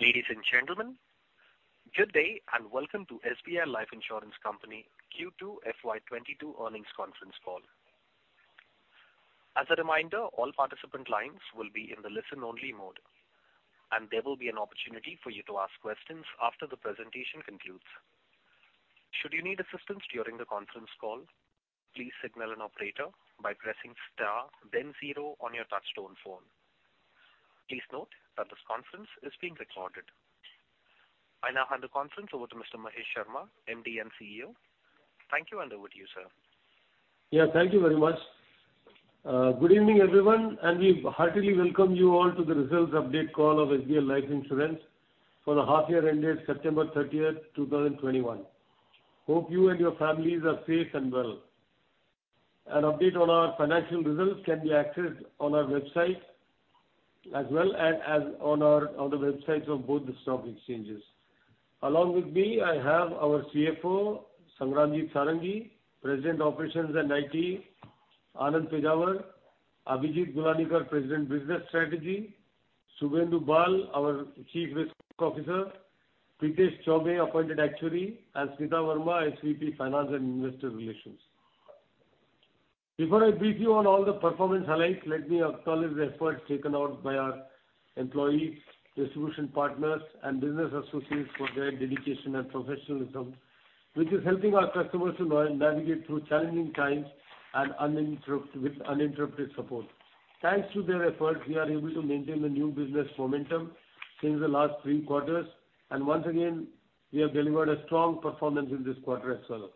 Ladies and gentlemen, good day and welcome to SBI Life Insurance Company Q2 FY 2022 earnings conference call. As a reminder, all participant lines will be in the listen-only mode, and there will be an opportunity for you to ask questions after the presentation concludes. Should you need assistance during the conference call, please signal an operator by pressing star then zero on your touchtone phone. Please note that this conference is being recorded. I now hand the conference over to Mr. Mahesh Sharma, MD and CEO. Thank you, and over to you, sir. Yeah, thank you very much. Good evening, everyone, and we heartily welcome you all to the results update call of SBI Life Insurance for the half-year ended September 30, 2021. Hope you and your families are safe and well. An update on our financial results can be accessed on our website as well as on the websites of both the stock exchanges. Along with me, I have our CFO, Sangramjit Sarangi, President, Operations and IT, Anand Pejawar, Abhijit Gulanikar, President, Business Strategy, Subhendu Bal, our Chief Risk Officer, Prithesh Chaubey, Appointed Actuary, and Smita Verma, SVP, Finance and Investor Relations. Before I brief you on all the performance highlights, let me acknowledge the effort taken on by our employees, distribution partners, and business associates for their dedication and professionalism, which is helping our customers to now navigate through challenging times with uninterrupted support. Thanks to their efforts, we are able to maintain the new business momentum since the last three quarters, and once again, we have delivered a strong performance in this quarter as well.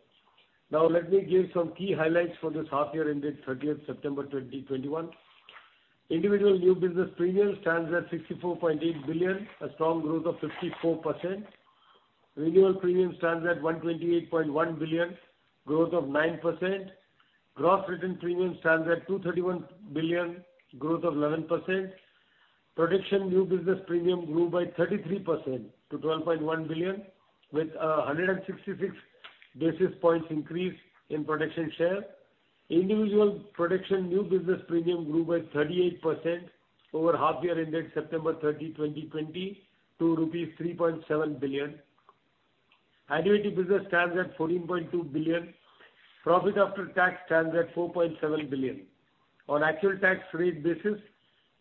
Now, let me give some key highlights for this half-year ended 30 September 2021. Individual new business premium stands at 64.8 billion, a strong growth of 54%. Renewal premium stands at 128.1 billion, growth of 9%. Gross written premium stands at 231 billion, growth of 11%. Protection new business premium grew by 33% to 12.1 billion, with 166 basis points increase in protection share. Individual protection new business premium grew by 38% over the half-year ended September 30, 2020 to INR 3.7 billion. Annuity business stands at 14.2 billion. Profit after tax stands at 4.7 billion. On actual tax rate basis,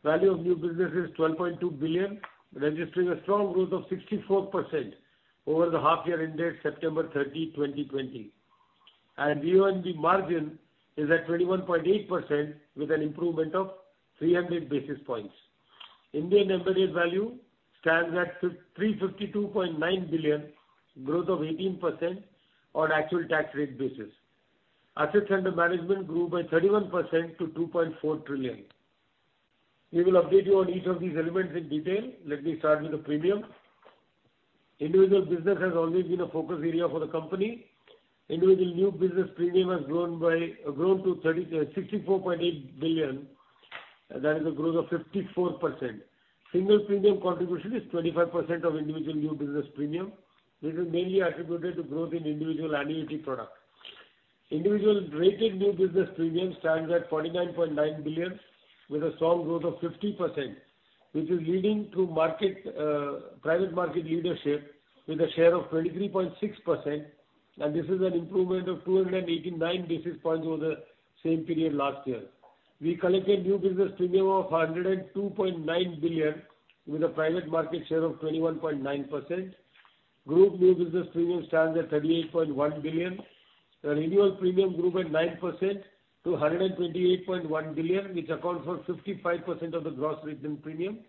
value of new business is 12.2 billion, registering a strong growth of 64% over the half-year ended September 30, 2020. VNB margin is at 21.8% with an improvement of 300 basis points. Indian embedded value stands at 352.9 billion, growth of 18% on actual tax rate basis. Assets under management grew by 31% to 2.4 trillion. We will update you on each of these elements in detail. Let me start with the premium. Individual business has always been a focus area for the company. Individual new business premium has grown to 64.8 billion. That is a growth of 54%. Single premium contribution is 25% of individual new business premium. This is mainly attributed to growth in individual annuity product. Individual regular new business premium stands at 49.9 billion with a strong growth of 50%, which is leading to market, private market leadership with a share of 23.6%, and this is an improvement of 289 basis points over the same period last year. We collected new business premium of 102.9 billion with a private market share of 21.9%. Group new business premium stands at 38.1 billion. The renewal premium grew by 9% to 128.1 billion, which accounts for 55% of the gross written premium.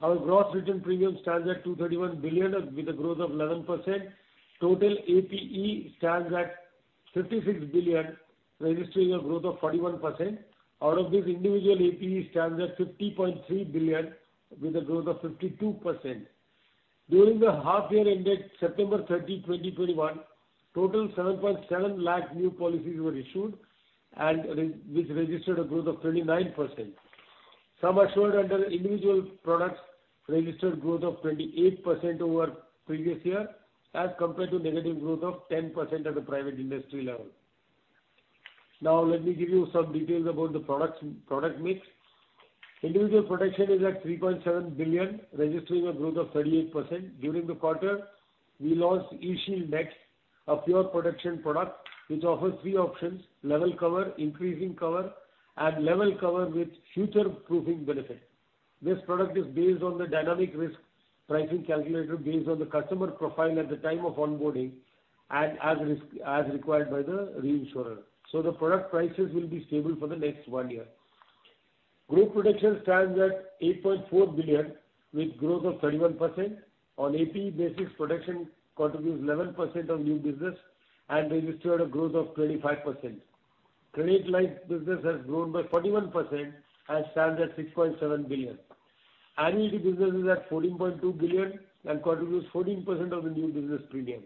Our gross written premium stands at 231 billion, with a growth of 11%. Total APE stands at 56 billion, registering a growth of 41%. Out of this individual APE stands at 50.3 billion with a growth of 52%. During the half-year ended September 30, 2021, total 7.7 lakh new policies were issued, which registered a growth of 29%. Sum assured under individual products registered growth of 28% over previous year as compared to negative growth of 10% at the private industry level. Now let me give you some details about the products, product mix. Individual protection is at 3.7 billion, registering a growth of 38%. During the quarter, we launched eShield Next, a pure protection product which offers three options. Level cover, increasing cover, and level cover with future-proofing benefit. This product is based on the dynamic risk pricing calculator based on the customer profile at the time of onboarding and assess risk, as required by the reinsurer. The product prices will be stable for the next one year. Group protection stands at 8.4 billion, with growth of 31%. On APE basis, protection contributes 11% of new business and registered a growth of 25%. Credit life business has grown by 41% and stands at 6.7 billion. Annuity business is at 14.2 billion and contributes 14% of the new business premium.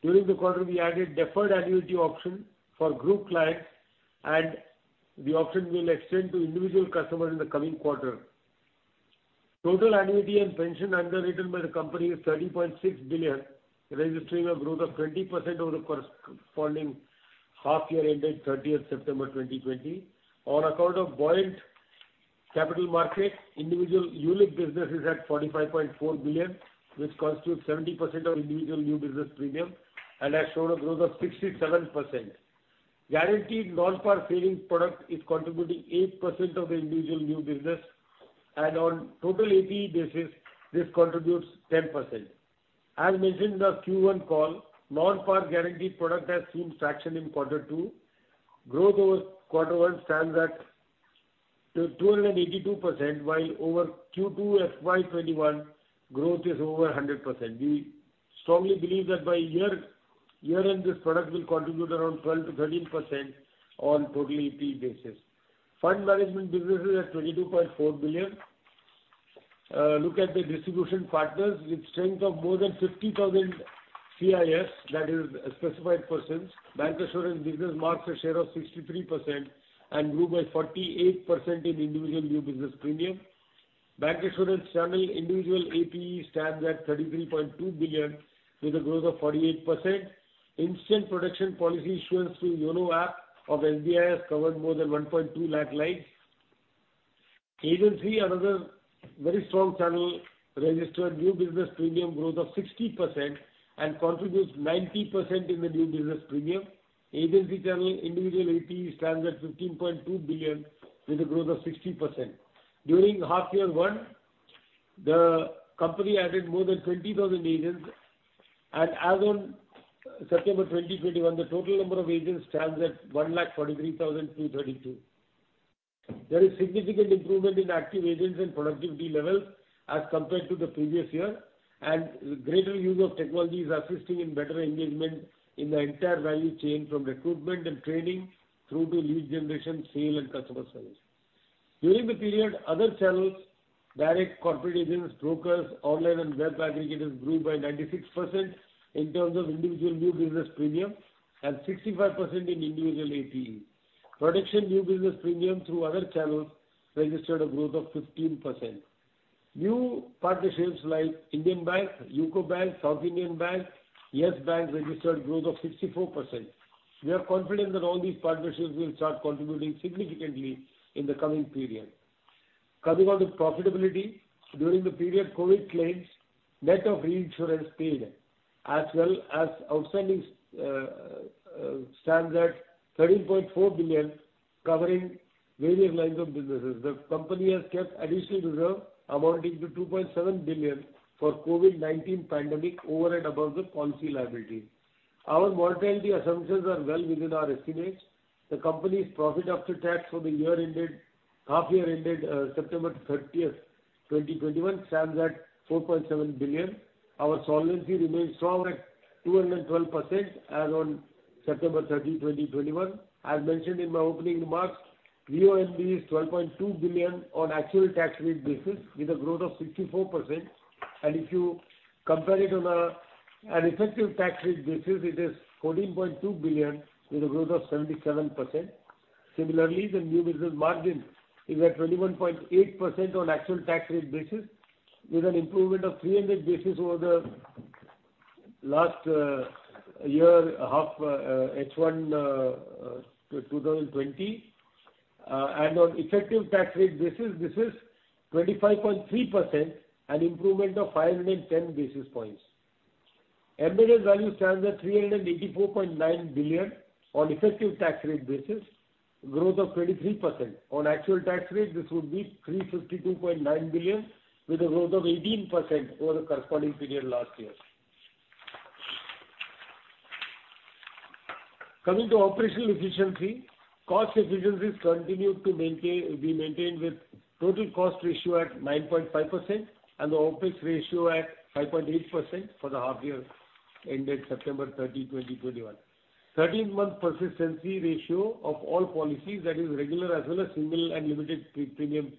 During the quarter, we added deferred annuity option for group clients, and the option will extend to individual customers in the coming quarter. Total annuity and pension underwritten by the company is 30.6 billion, registering a growth of 20% over the corresponding half year ended 30 September 2020. On account of buoyant capital market, individual ULIP business is at 45.4 billion, which constitutes 70% of individual new business premium and has shown a growth of 67%. Guaranteed non-par savings product is contributing 8% of the individual new business and on total APE basis, this contributes 10%. As mentioned in the Q1 call, non-par guaranteed product has seen traction in quarter two. Growth over quarter one stands at 282%, while over Q2 FY 2021 growth is over 100%. We strongly believe that by year-end this product will contribute around 12%-13% on total APE basis. Fund management business is at 22.4 billion. Look at the distribution partners with strength of more than 50,000 SPs, that is specified persons. Bancassurance business marks a share of 63% and grew by 48% in individual new business premium. Bancassurance channel individual APE stands at 33.2 billion with a growth of 48%. Instant protection policy issuance through YONO app of SBI has covered more than 1.2 lakh lives. Agency, another very strong channel, registered new business premium growth of 60% and contributes 90% in the new business premium. Agency channel individual APE stands at 15.2 billion with a growth of 60%. During half year one, the company added more than 20,000 agents, and as on September 2021, the total number of agents stands at 143,232. There is significant improvement in active agents and productivity levels as compared to the previous year, and greater use of technology is assisting in better engagement in the entire value chain from recruitment and training through to lead generation, sale and customer service. During the period, other channels, direct corporate agents, brokers, online and web aggregators grew by 96% in terms of individual new business premium and 65% in individual APE. Protection new business premium through other channels registered a growth of 15%. New partnerships like Indian Bank, UCO Bank, South Indian Bank, Yes Bank registered growth of 64%. We are confident that all these partnerships will start contributing significantly in the coming period. Coming on to profitability. During the period, COVID claims net of reinsurance paid as well as outstanding stands at 13.4 billion covering various lines of businesses. The company has kept additional reserve amounting to 2.7 billion for COVID-19 pandemic over and above the policy liability. Our mortality assumptions are well within our estimates. The company's profit after tax for the year ended, half year ended, September 30, 2021 stands at 4.7 billion. Our solvency remains strong at 212% as on September 30, 2021. As mentioned in my opening remarks, VNB is 12.2 billion on actual tax rate basis with a growth of 64%. If you compare it on an effective tax rate basis, it is 14.2 billion with a growth of 77%. Similarly, the new business margin is at 21.8% on actual tax rate basis with an improvement of 300 basis points over the last H1 2020. On effective tax rate basis, this is 25.3%, an improvement of 510 basis points. Embedded Value value stands at 384.9 billion on effective tax rate basis, growth of 23%. On actual tax rate, this would be 352.9 billion with a growth of 18% over the corresponding period last year. Coming to operational efficiency. Cost efficiencies continued to be maintained with total cost ratio at 9.5% and the OPEX ratio at 5.8% for the half year ended September 30, 2021. Thirteen-month persistency ratio of all policies, that is regular as well as single and limited pay premium,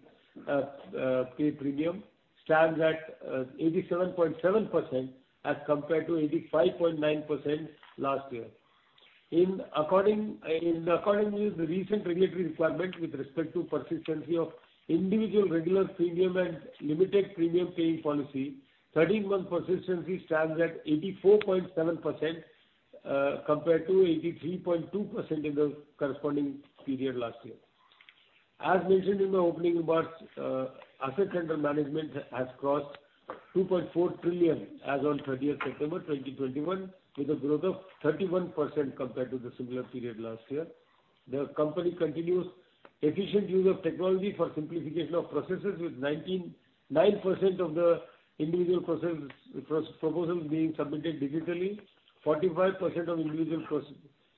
stands at 87.7% as compared to 85.9% last year. In accordance with the recent regulatory requirement with respect to persistency of individual regular premium and limited premium paying policy, thirteen-month persistency stands at 84.7% compared to 83.2% in the corresponding period last year. As mentioned in my opening remarks, assets under management has crossed 2.4 trillion as on September 30, 2021 with a growth of 31% compared to the similar period last year. The company continues efficient use of technology for simplification of processes with 99% of the individual proposals being submitted digitally. 45% of individual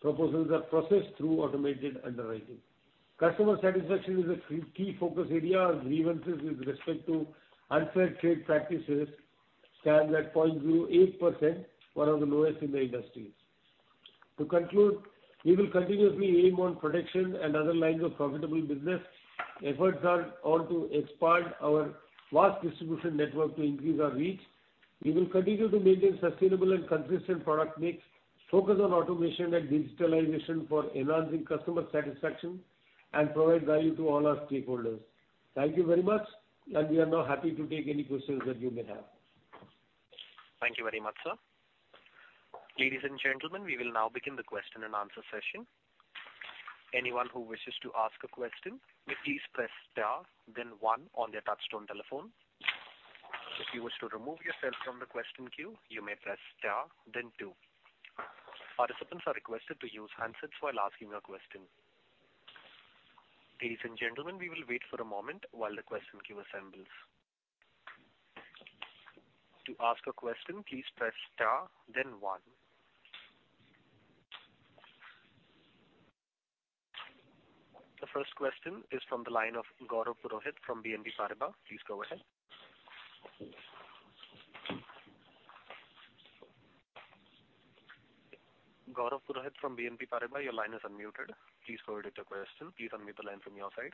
proposals are processed through automated underwriting. Customer satisfaction is a key focus area. Our grievances with respect to unfair trade practices stand at 0.08%, one of the lowest in the industry. To conclude, we will continuously aim for protection and other lines of profitable business. Efforts are on to expand our vast distribution network to increase our reach. We will continue to maintain sustainable and consistent product mix, focus on automation and digitalization for enhancing customer satisfaction and provide value to all our stakeholders. Thank you very much, and we are now happy to take any questions that you may have. Thank you very much, sir. Ladies and gentlemen, we will now begin the question and answer session. Anyone who wishes to ask a question, may please press star then one on their touchtone telephone. If you wish to remove yourself from the question queue you may press star then two. Participants are requested to use handsets while asking a question. Ladies and gentlemen, we will wait for a moment while the question queue assembles. To ask a question, please press star then one. The first question is from the line of Gaurav Purohit from BNP Paribas. Please go ahead. Gaurav Purohit from BNP Paribas, your line is unmuted. Please go ahead with your question. Please unmute the line from your side.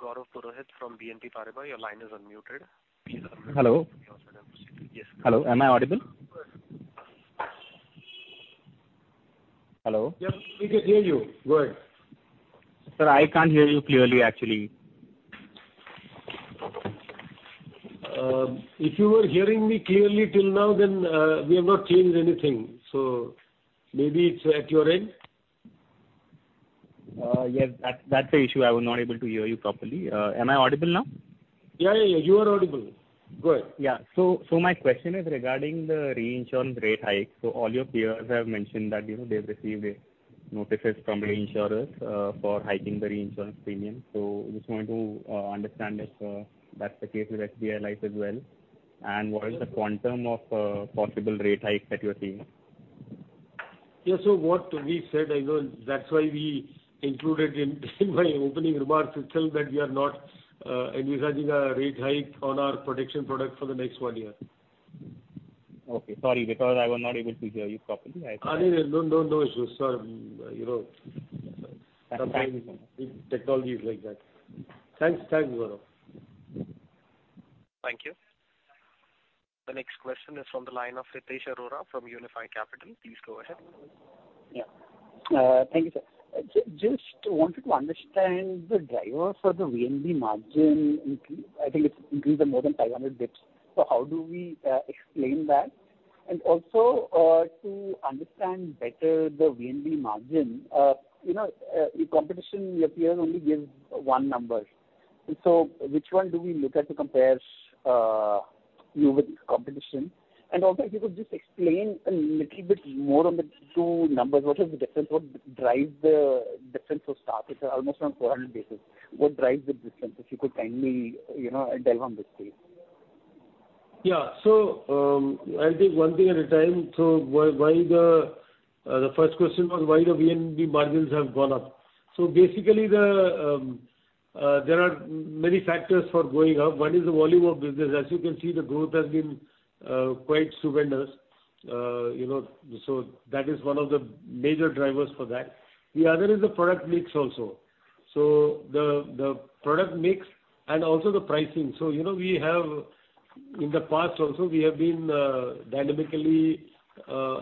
Gaurav Purohit from BNP Paribas, your line is unmuted. Please unmute. Hello. Yes. Hello. Am I audible? Hello. Yes, we can hear you. Go ahead. Sir, I can't hear you clearly actually. If you were hearing me clearly till now, then, we have not changed anything. Maybe it's at your end. Yes. That's the issue. I was not able to hear you properly. Am I audible now? Yeah, yeah, you are audible. Go ahead. My question is regarding the reinsurance rate hike. All your peers have mentioned that, you know, they've received notices from reinsurers for hiking the reinsurance premium. I just want to understand if that's the case with SBI Life as well. What is the quantum of possible rate hike that you are seeing? Yeah. What we said, I know that's why we included in my opening remarks itself that we are not envisaging a rate hike on our protection product for the next one year. Okay. Sorry, because I was not able to hear you properly. No, no issues. You know, sometimes technology is like that. Thanks. Thanks, Gaurav. Thank you. The next question is from the line of Hitesh Gulati from Unifi Capital. Please go ahead. Yeah. Thank you, sir. Just wanted to understand the driver for the VNB margin. I think it's increased by more than 500 bps. How do we explain that? Also, to understand better the VNB margin, you know, your competition, your peers only give one number. Which one do we look at to compare you with competition? Also if you could just explain a little bit more on the two numbers. What is the difference? What drives the stark difference? It's almost 400 basis points. What drives the difference? If you could kindly, you know, delve on this please. Yeah. I'll take one thing at a time. Why the first question was why the VNB margins have gone up. Basically there are many factors for going up. One is the volume of business. As you can see, the growth has been quite stupendous. You know, that is one of the major drivers for that. The other is the product mix also. The product mix and also the pricing. You know, we have in the past also been dynamically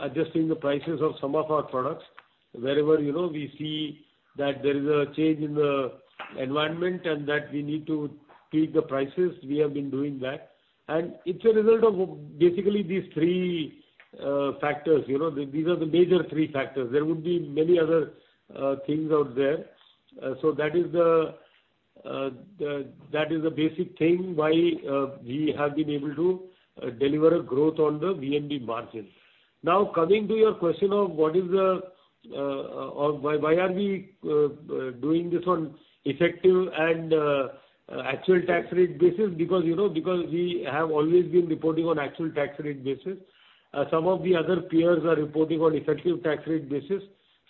adjusting the prices of some of our products. Wherever, you know, we see that there is a change in the environment and that we need to tweak the prices, we have been doing that. It's a result of basically these three factors. You know, these are the major three factors. There would be many other things out there. That is the basic thing why we have been able to deliver a growth on the VNB margin. Now, coming to your question of why we are doing this on effective and actual tax rate basis, because you know, because we have always been reporting on actual tax rate basis. Some of the other peers are reporting on effective tax rate basis.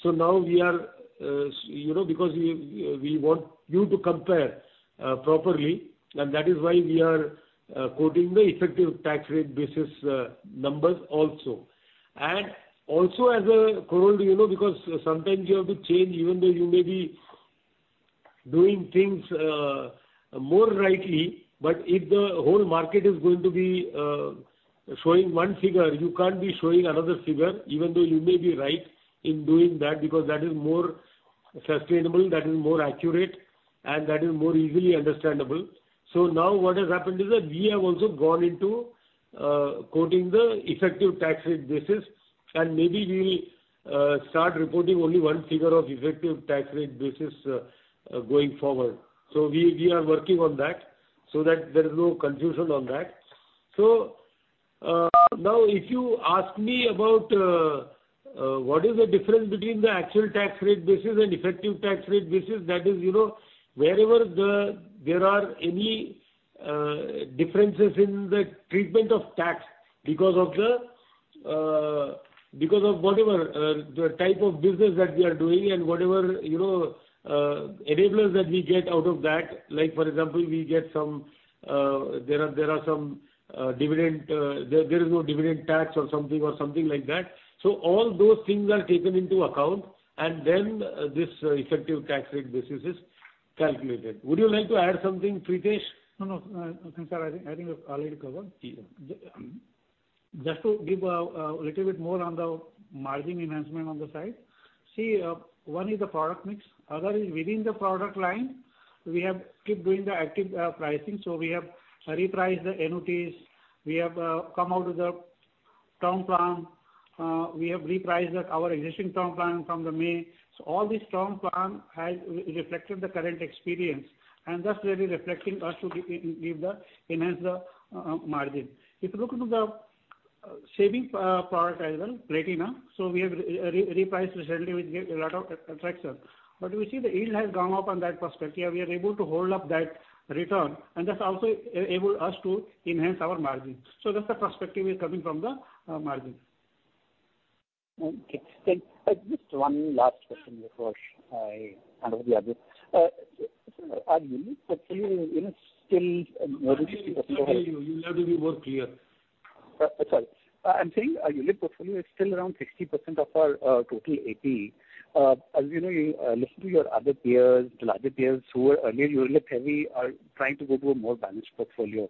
Now we are, you know, because we want you to compare properly, and that is why we are quoting the effective tax rate basis numbers also. Also as a corollary, you know, because sometimes you have to change even though you may be doing things more rightly, but if the whole market is going to be showing one figure, you can't be showing another figure, even though you may be right in doing that, because that is more sustainable, that is more accurate, and that is more easily understandable. Now what has happened is that we have also gone into quoting the effective tax rate basis, and maybe we'll start reporting only one figure of effective tax rate basis going forward. We are working on that so that there is no confusion on that. Now if you ask me about what is the difference between the actual tax rate basis and effective tax rate basis, that is, you know, wherever there are any differences in the treatment of tax because of whatever the type of business that we are doing and whatever, you know, enablers that we get out of that, like for example, we get some, there are some dividend, there is no dividend tax or something, or something like that. All those things are taken into account and then this effective tax rate basis is calculated. Would you like to add something, Prithesh? No, no. Sir, I think you've already covered. Just to give a little bit more on the margin enhancement on the side. See, one is the product mix. Other is within the product line, we have keep doing the active pricing, so we have repriced the annuities, we have come out with the term plan. We have repriced our existing term plan from May. So all this term plan has reflected the current experience, and that's really reflecting also we enhance the margin. If you look at the savings product as well, Platina, so we have repriced recently, we get a lot of traction. But we see the yield has gone up from that perspective. We are able to hold up that return and that's also enables us to enhance our margin. So that's the perspective is coming from the margin. Okay. Just one last question before I hand over the other. Sir, our ULIP portfolio is still mostly- I'm sorry. You will have to be more clear. Sorry. I'm saying our ULIP portfolio is still around 60% of our total APE. As you know, you listen to your other peers, the larger peers who were earlier ULIP heavy are trying to go to a more balanced portfolio.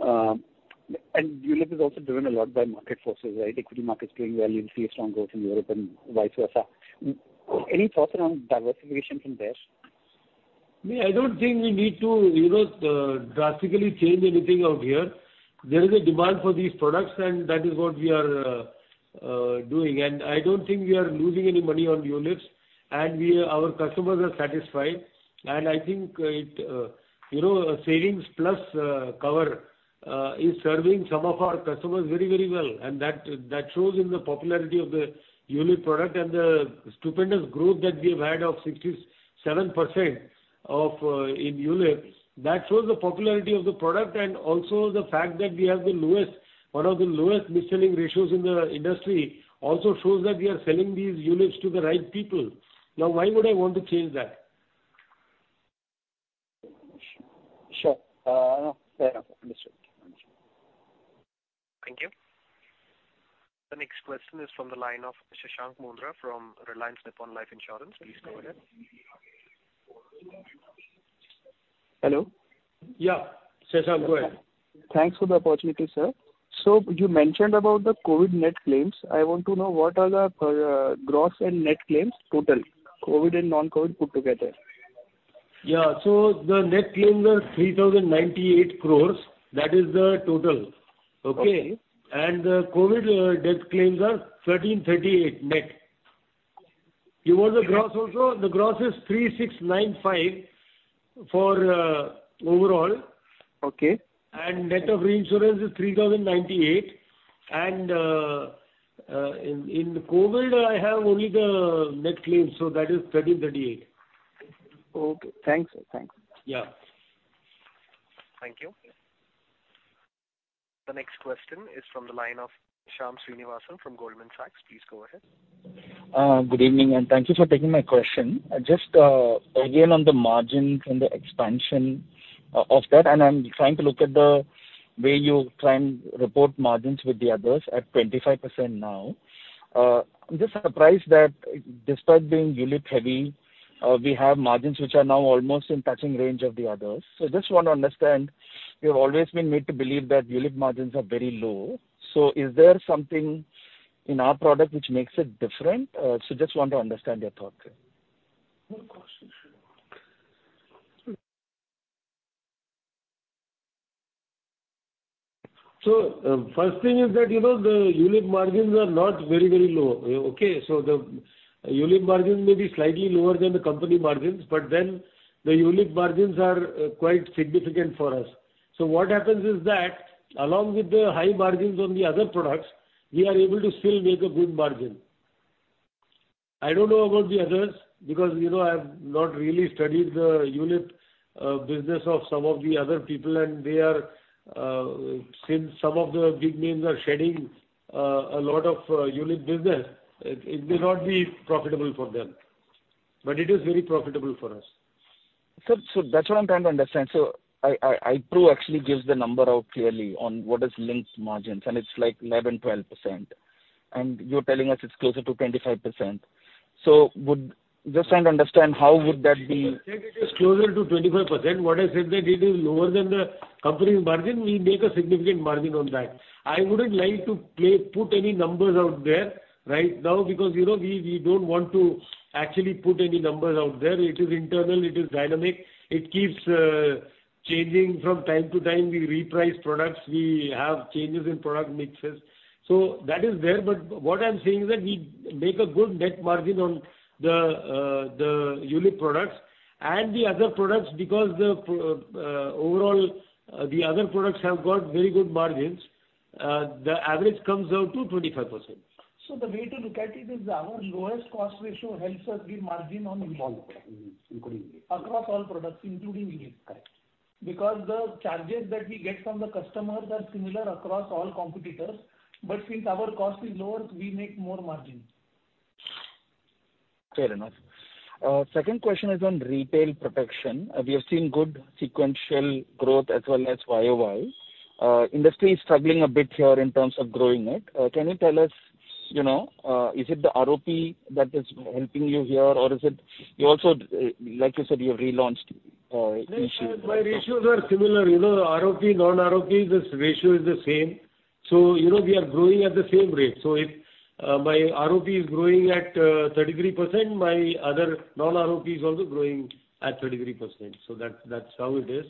ULIP is also driven a lot by market forces, right? Equity market is doing well, you'll see a strong growth in ULIP and vice versa. Any thoughts around diversification from there? I don't think we need to, you know, drastically change anything out here. There is a demand for these products, and that is what we are doing. I don't think we are losing any money on ULIPs, and our customers are satisfied. I think it, you know, savings plus cover is serving some of our customers very, very well. That shows in the popularity of the ULIP product and the stupendous growth that we have had of 67% in ULIP. That shows the popularity of the product and also the fact that we have the lowest, one of the lowest mis-selling ratios in the industry also shows that we are selling these ULIPs to the right people. Now, why would I want to change that? Sure. No, fair enough. Understood. Thank you. The next question is from the line of Shashank Mundra from Reliance Nippon Life Insurance. Please go ahead. Hello. Yeah. Shashank, go ahead. Thanks for the opportunity, sir. You mentioned about the COVID net claims. I want to know what are the gross and net claims total, COVID and non-COVID put together? Yeah. The net claims are 3,098 crore. That is the total. Okay? Okay. The COVID death claims are 1,338 net. You want the gross also? The gross is 3,695 for overall. Okay. Net of reinsurance is 3,098. In COVID, I have only the net claims, so that is 1,338. Okay. Thanks, sir. Thanks. Yeah. Thank you. The next question is from the line of Shyam Srinivasan from Goldman Sachs. Please go ahead. Good evening, and thank you for taking my question. Just, again, on the margins and the expansion of that, and I'm trying to look at the way you try and report margins with the others at 25% now. I'm just surprised that despite being ULIP heavy, we have margins which are now almost in touching range of the others. Just want to understand, we have always been made to believe that ULIP margins are very low. Is there something in our product which makes it different? Just want to understand your thoughts here. First thing is that, you know, the ULIP margins are not very, very low. The ULIP margin may be slightly lower than the company margins, but then the ULIP margins are quite significant for us. What happens is that along with the high margins on the other products, we are able to still make a good margin. I don't know about the others because, you know, I've not really studied the ULIP business of some of the other people, and since some of the big names are shedding a lot of ULIP business, it may not be profitable for them, but it is very profitable for us. Sir, that's what I'm trying to understand. I, IPRU actually gives the number out clearly on what is linked margins, and it's like 11, 12%. You're telling us it's closer to 25%. Would just trying to understand how would that be- I said it is closer to 25%. What I said that it is lower than the company's margin, we make a significant margin on that. I wouldn't like to put any numbers out there right now because, you know, we don't want to actually put any numbers out there. It is internal, it is dynamic. It keeps changing from time to time. We reprice products, we have changes in product mixes. That is there. What I'm saying is that we make a good net margin on the ULIP products and the other products because the overall the other products have got very good margins. The average comes out to 25%. The way to look at it is our lowest cost ratio helps us give margin on ULIP. Including ULIP. Across all products, including ULIP. Correct. Because the charges that we get from the customers are similar across all competitors. Since our cost is lower, we make more margins. Fair enough. Second question is on retail protection. We have seen good sequential growth as well as YOY. Industry is struggling a bit here in terms of growing it. Can you tell us, you know, is it the ROP that is helping you here, or is it you also, like you said, you relaunched it. My ratios are similar. You know, ROP, non-ROP, this ratio is the same. You know we are growing at the same rate. If my ROP is growing at 33%, my other non-ROP is also growing at 33%. That's how it is.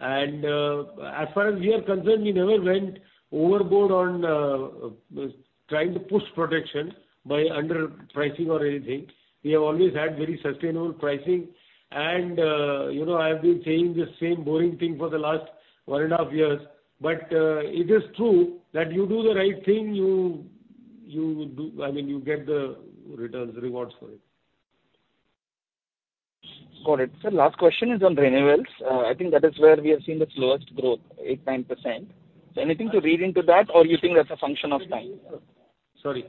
As far as we are concerned, we never went overboard on trying to push protection by underpricing or anything. We have always had very sustainable pricing and you know, I have been saying the same boring thing for the last 1.5 years, but it is true that you do the right thing. I mean, you get the returns, rewards for it. Got it. Sir, last question is on renewals. I think that is where we have seen the slowest growth, 8%-9%. Anything to read into that or you think that's a function of time? Sorry.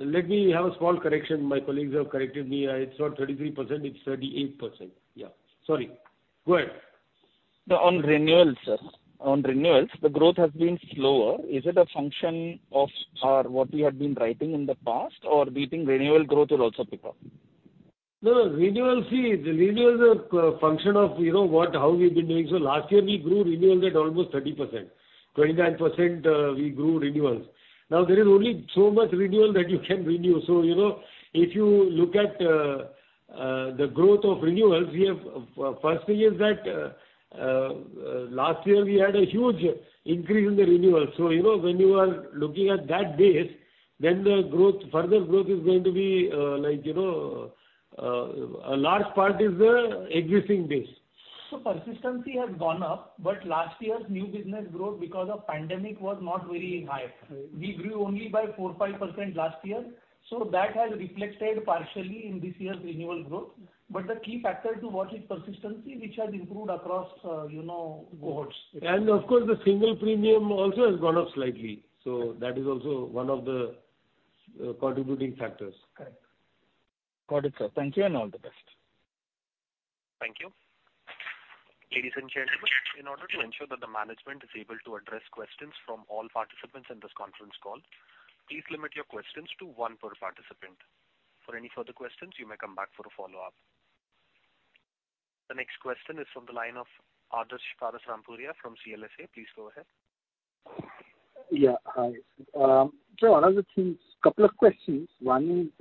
Let me have a small correction. My colleagues have corrected me. It's not 33%, it's 38%. Yeah. Sorry. Go ahead. No, on renewals, sir. On renewals, the growth has been slower. Is it a function of, what we had been writing in the past or do you think renewal growth will also pick up? No, renewal. See, the renewals are a function of, you know, what how we've been doing. Last year we grew renewals at almost 30%. 29%, we grew renewals. Now, there is only so much renewal that you can renew. You know, if you look at the growth of renewals, we have first thing is that last year we had a huge increase in the renewals. You know, when you are looking at that base then the growth, further growth is going to be like a large part is the existing base. Persistency has gone up, but last year's new business growth because of pandemic was not very high. We grew only by 4-5% last year. That has reflected partially in this year's renewal growth. The key factor to watch is persistency, which has improved across, you know, cohorts. Of course, the single premium also has gone up slightly. That is also one of the contributing factors. Correct. Got it, sir. Thank you and all the best. Thank you. Ladies and gentlemen, in order to ensure that the management is able to address questions from all participants in this conference call, please limit your questions to one per participant. For any further questions, you may come back for a follow-up. The next question is from the line of Adarsh Parasrampuria from CLSA. Please go ahead. Yeah. Hi. Another thing, couple of questions. One is,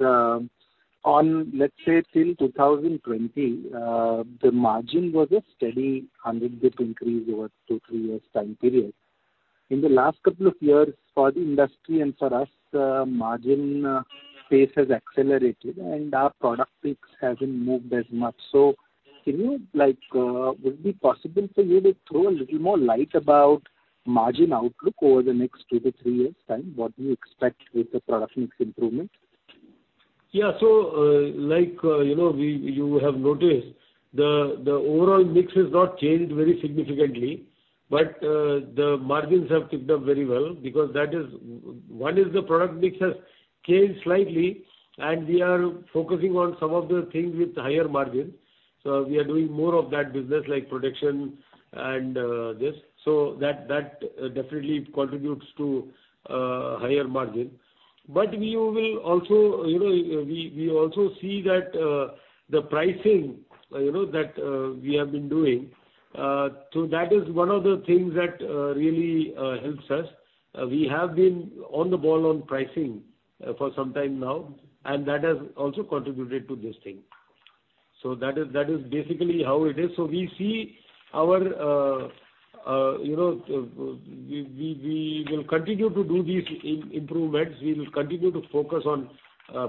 on, let's say till 2020, the margin was a steady 100 basis points increase over 2-3 years time period. In the last couple of years for the industry and for us, margin pace has accelerated and our product mix hasn't moved as much. Can you like, would it be possible for you to throw a little more light about margin outlook over the next 2-3 years time? What do you expect with the product mix improvement? Like, you know, we have noticed the overall mix has not changed very significantly, but the margins have picked up very well because one is the product mix has changed slightly and we are focusing on some of the things with higher margin. We are doing more of that business like protection and this. That definitely contributes to higher margin. We also, you know, see that the pricing, you know, that we have been doing, so that is one of the things that really helps us. We have been on the ball on pricing for some time now, and that has also contributed to this thing. That is basically how it is. We will continue to do these improvements. You know, we will continue to focus on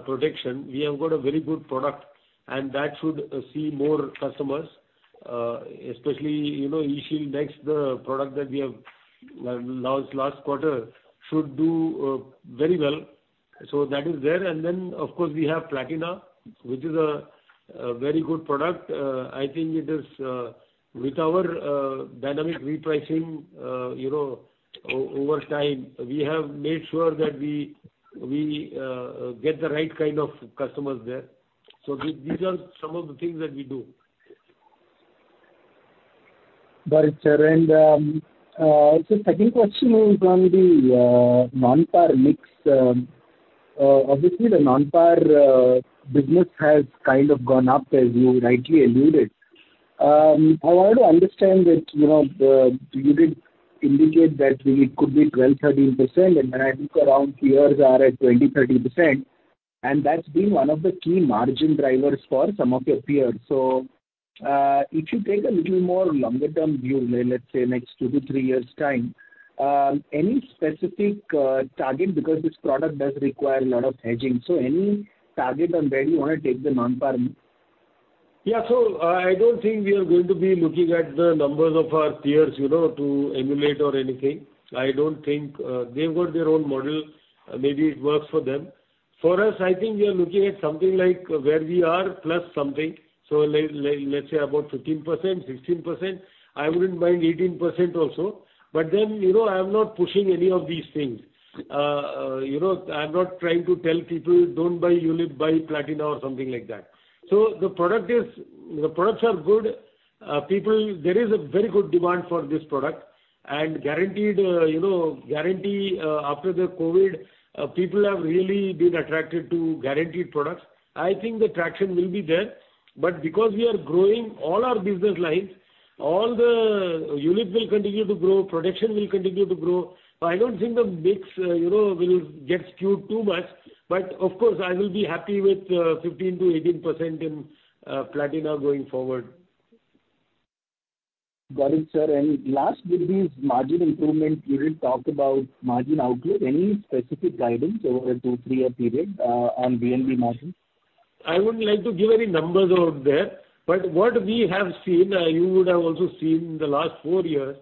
protection. We have got a very good product and that should see more customers, especially you know eShield Next, the product that we have launched last quarter should do very well. That is there. Of course, we have Smart Platina, which is a very good product. I think it is with our dynamic repricing, you know, over time, we have made sure that we get the right kind of customers there. These are some of the things that we do. Got it, sir. Second question is on the non-par mix. Obviously the non-par business has kind of gone up as you rightly alluded. I want to understand that, you know, you did indicate that it could be 12%-13% and then I think around peers are at 20%-30% and that's been one of the key margin drivers for some of your peers. If you take a little more longer term view, let's say next 2-3 years time, any specific target because this product does require a lot of hedging. Any target on where you want to take the non-par mix? Yeah. I don't think we are going to be looking at the numbers of our peers, you know, to emulate or anything. I don't think. They've got their own model. Maybe it works for them. For us, I think we are looking at something like where we are plus something. Let's say about 15%, 16%. I wouldn't mind 18% also. You know, I am not pushing any of these things. You know, I'm not trying to tell people don't buy Unit, buy Platina or something like that. The products are good. People, there is a very good demand for this product and guaranteed, you know, guarantee, after the COVID, people have really been attracted to guaranteed products. I think the traction will be there. Because we are growing all our business lines, all the unit will continue to grow, production will continue to grow. I don't think the mix, you know, will get skewed too much. Of course, I will be happy with 15%-18% in Platina going forward. Got it, sir. Last with these margin improvement, you did talk about margin outlook. Any specific guidance over a 2-3-year period on VNB margins? I wouldn't like to give any numbers out there, but what we have seen, you would have also seen in the last four years,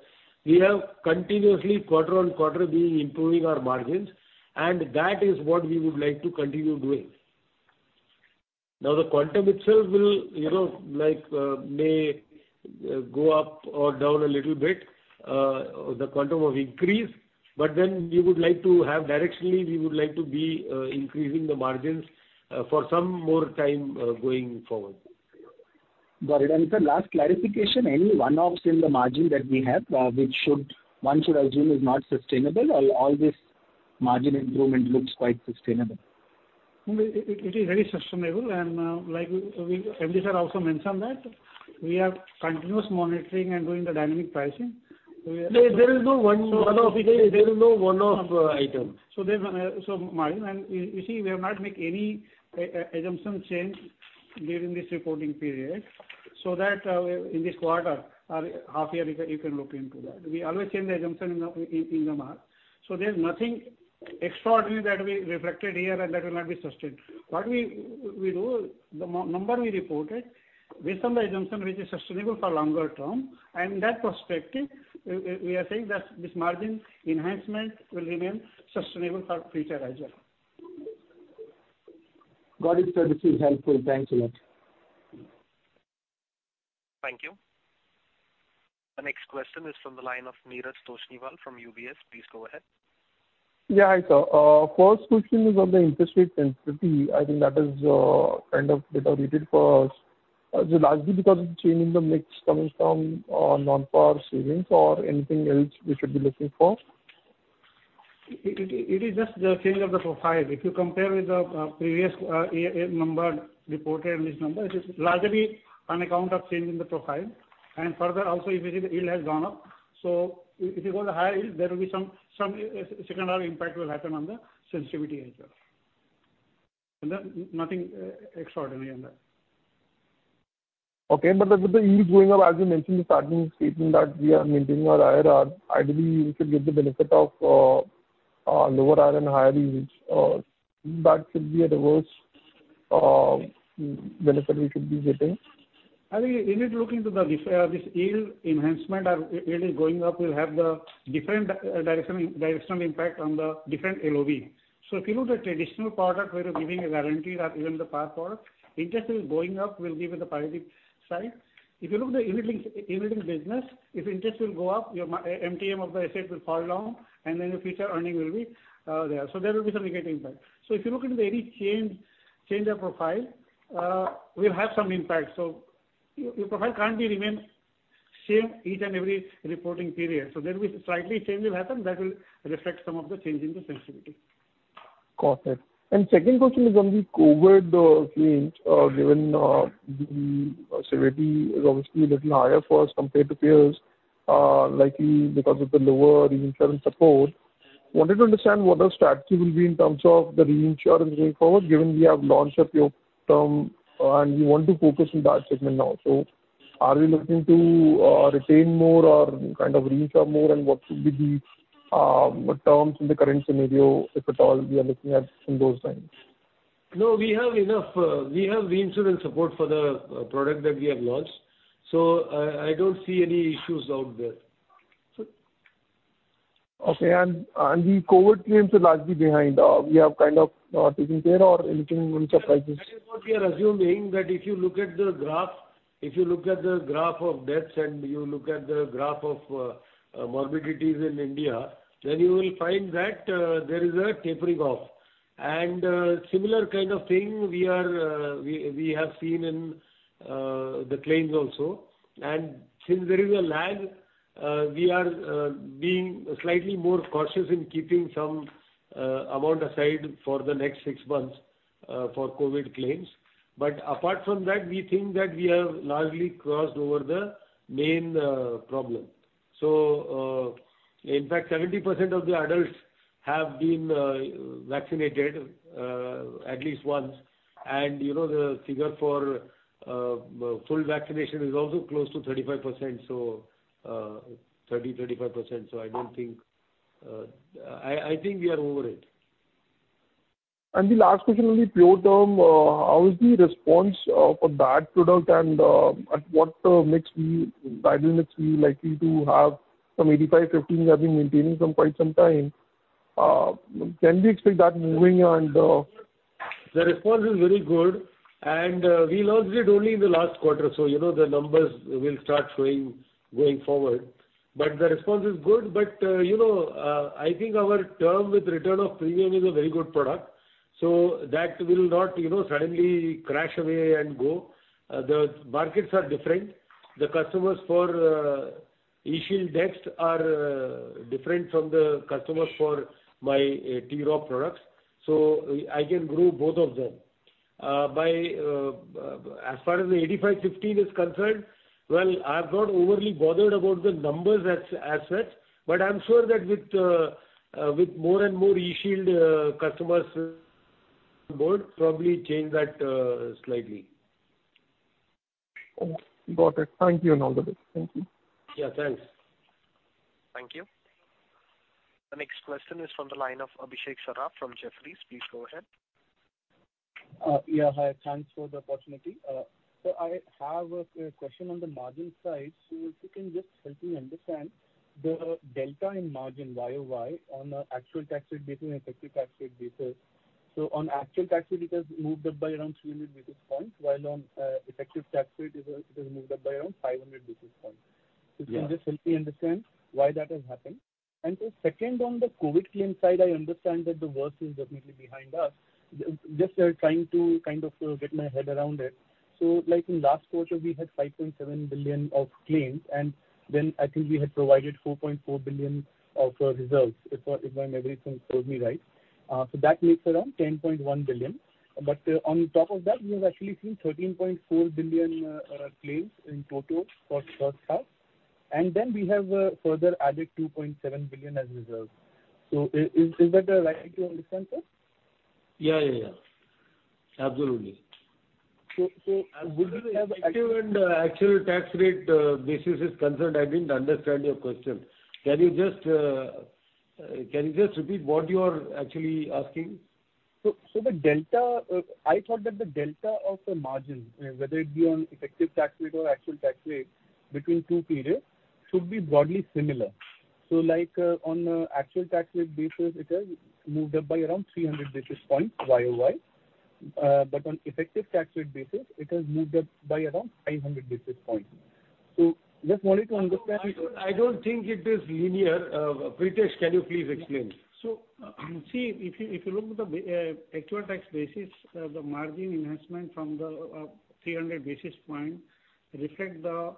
we have continuously quarter on quarter been improving our margins, and that is what we would like to continue doing. Now, the quantum itself will, you know, like, may go up or down a little bit, the quantum of increase. We would like to have directionally, we would like to be, increasing the margins, for some more time, going forward. Got it. Sir, last clarification, any one-offs in the margin that we have, which one should assume is not sustainable or all this margin improvement looks quite sustainable? It is very sustainable and like we, MD, sir, also mentioned that we are continuously monitoring and doing the dynamic pricing. We are- There is no one-off. There is no one-off item. Mahesh, you see we have not make any assumption change during this reporting period so that in this quarter or half year, you can look into that. We always change the assumption in the MAR. There's nothing extraordinary that we reflected here and that will not be sustained. What we do, the number we reported based on the assumption which is sustainable for longer term and from that perspective, we are saying that this margin enhancement will remain sustainable for future as well. Got it, sir. This is helpful. Thanks a lot. Thank you. The next question is from the line of Neeraj Toshniwal from UBS. Please go ahead. Yeah. Hi, sir. First question is on the interest rate sensitivity. I think that is kind of bit of relief for us. Is it largely because of the change in the mix coming from non-par savings or anything else we should be looking for? It is just the change of the profile. If you compare with the previous year number reported and this number, it is largely on account of change in the profile. Further also if you see the yield has gone up, so if you go the higher yield, there will be some second order impact will happen on the sensitivity as well. Nothing extraordinary in that. Okay. With the yield going up, as you mentioned in the starting statement that we are maintaining our IRR, ideally we should get the benefit of lower IRR and higher yields. That should be a reverse benefit we should be getting. I think if you look into this yield environment is really going up. We have the different directional impact on the different LOB. If you look at traditional product where you're giving a guarantee or even the par product, interest is going up will give you the positive side. If you look the unit linked business, if interest will go up, your MTM of the asset will fall down and then your future earning will be there. There will be some negative impact. If you look into any change of profile, we'll have some impact. Your profile can't remain same each and every reporting period. There will be slightly change will happen that will reflect some of the change in the sensitivity. Got it. Second question is on the COVID claims, given the severity is obviously a little higher for us compared to peers, likely because of the lower reinsurance support. Wanted to understand what the strategy will be in terms of the reinsurance going forward, given we have launched a pure term and we want to focus in that segment now. Are we looking to retain more or kind of reinsure more, and what would be the terms in the current scenario, if at all we are looking at in those lines? No, we have enough reinsurance support for the product that we have launched. I don't see any issues out there. The COVID claims are largely behind. We have kind of taken care of anything which surprises- That is what we are assuming, that if you look at the graph, if you look at the graph of deaths and you look at the graph of morbidities in India, then you will find that there is a tapering off. Similar kind of thing we have seen in the claims also. Since there is a lag, we are being slightly more cautious in keeping some amount aside for the next six months for COVID claims. Apart from that, we think that we have largely crossed over the main problem. In fact 70% of the adults have been vaccinated at least once. You know the figure for full vaccination is also close to 35%, so 35%. I don't think I think we are over it. The last question on the pure term, how is the response of that product and at what ideal mix we likely to have from 85-15 we have been maintaining for quite some time. Can we expect that moving. The response is very good, and we launched it only in the last quarter. You know, the numbers will start showing going forward. The response is good. You know, I think our term with return of premium is a very good product, so that will not, you know, suddenly crash away and go. The markets are different. The customers for eShield Next are different from the customers for my TROP products. I can grow both of them. As far as the 85/15 is concerned, well, I'm not overly bothered about the numbers as such, but I'm sure that with more and more eShield Next customers on board probably change that slightly. Okay. Got it. Thank you and all the best. Thank you. Yeah, thanks. Thank you. The next question is from the line of Abhishek Saraf from Jefferies. Please go ahead. Hi. Thanks for the opportunity. I have a question on the margin side. If you can just help me understand the delta in margin YOY on an actual tax rate basis and effective tax rate basis. On actual tax rate, it has moved up by around 300 basis points, while on effective tax rate it has moved up by around 500 basis points. Yeah. Can you just help me understand why that has happened? Second, on the COVID claim side, I understand that the worst is definitely behind us. Just trying to kind of get my head around it. Like in last quarter, we had 5.7 billion of claims, and then I think we had provided 4.4 billion of reserves, if my memory serves me right. That makes around 10.1 billion. On top of that, we have actually seen 13.4 billion claims in total for FY. Then we have further added 2.7 billion as reserve. Is that a right way to understand, sir? Yeah, yeah. Absolutely. Would you have- As far as effective and actual tax rate basis is concerned, I didn't understand your question. Can you just repeat what you are actually asking? The delta, I thought that the delta of the margin, whether it be on effective tax rate or actual tax rate between two periods should be broadly similar. Like, on an actual tax rate basis, it has moved up by around 300 basis points YOY. But on effective tax rate basis, it has moved up by around 500 basis points. Just wanted to understand. I don't think it is linear. Pritesh, can you please explain? See, if you look at the actual tax basis, the margin enhancement from the 300 basis points reflects the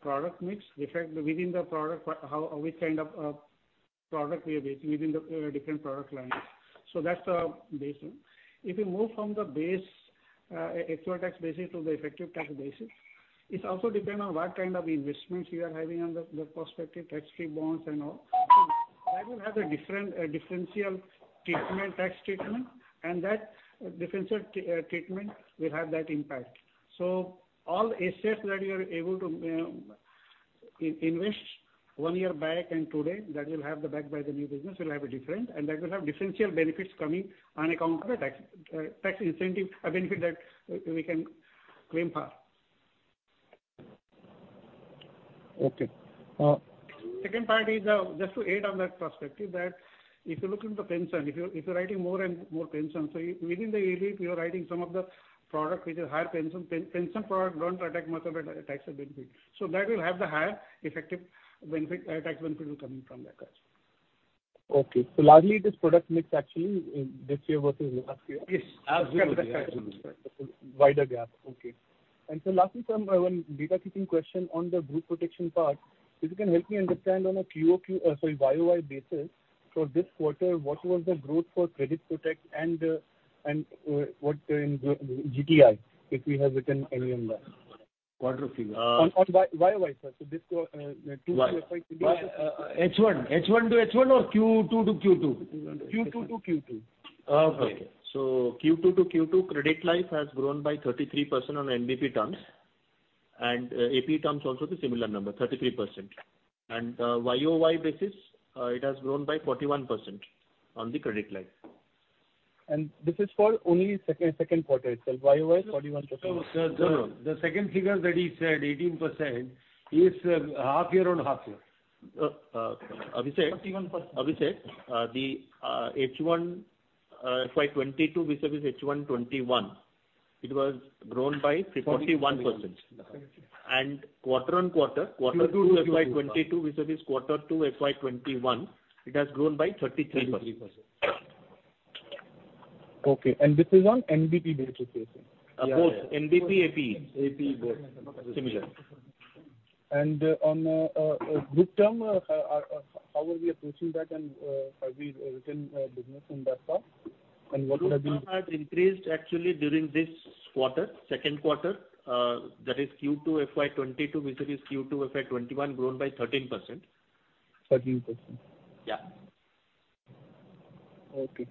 product mix, reflects within the product what, how, which kind of product we are pushing within the different product lines. That's the basis. If you move from the base actual tax basis to the effective tax basis, it also depends on what kind of investments you are having in respect of tax-free bonds and all. That will have a different differential tax treatment, and that differential treatment will have that impact. All assets that you are able to invest one year back and today, that will have the benefit by the new business will have a different and that will have differential benefits coming on account of the tax incentive benefit that we can claim for. Okay. Second part is just to add on that perspective, that if you look into pension, if you're writing more and more pension. Within the AVP you are writing some of the product which is higher pension. Pension product don't attract much of a tax benefit. That will have the higher effective benefit, tax benefit coming from that also. Okay. Largely it is product mix actually this year versus last year. Yes. Absolutely. Wider gap. Okay. Lastly from my one data keeping question on the group protection part, if you can help me understand on a QOQ, sorry, YOY basis for this quarter, what was the growth for credit protect and what in GTL, if we have it in any number. Quarter figure. On YOY, sir. This quarter, 2 FY- YoY H1 to H1 or Q2 to Q2? Q2 to Q2. Okay. Q2 to Q2 credit life has grown by 33% on NBP terms and, APE terms also the similar number, 33%. YOY basis, it has grown by 41% on the credit life. This is for only second quarter itself, YOY 41%. The second figure that he said, 18%, is half-year on half-year. Abhishek 41%. Abhishek, the H1 FY 2022 versus H1 2021, it was grown by 41%. 41%. Quarter-on-quarter, quarter two. Q2 to Q2. FY 2022 versus quarter 2 FY 2021, it has grown by 33%. 33%. Okay. This is on NBP basis. Both NBP, APE. APE both. Similar. On group term, how are we approaching that and have we written business in that part? What will be- Group term has increased actually during this quarter, second quarter, that is Q2 FY 2022 versus Q2 FY 2021 grown by 13%. 13%. Yeah. Okay.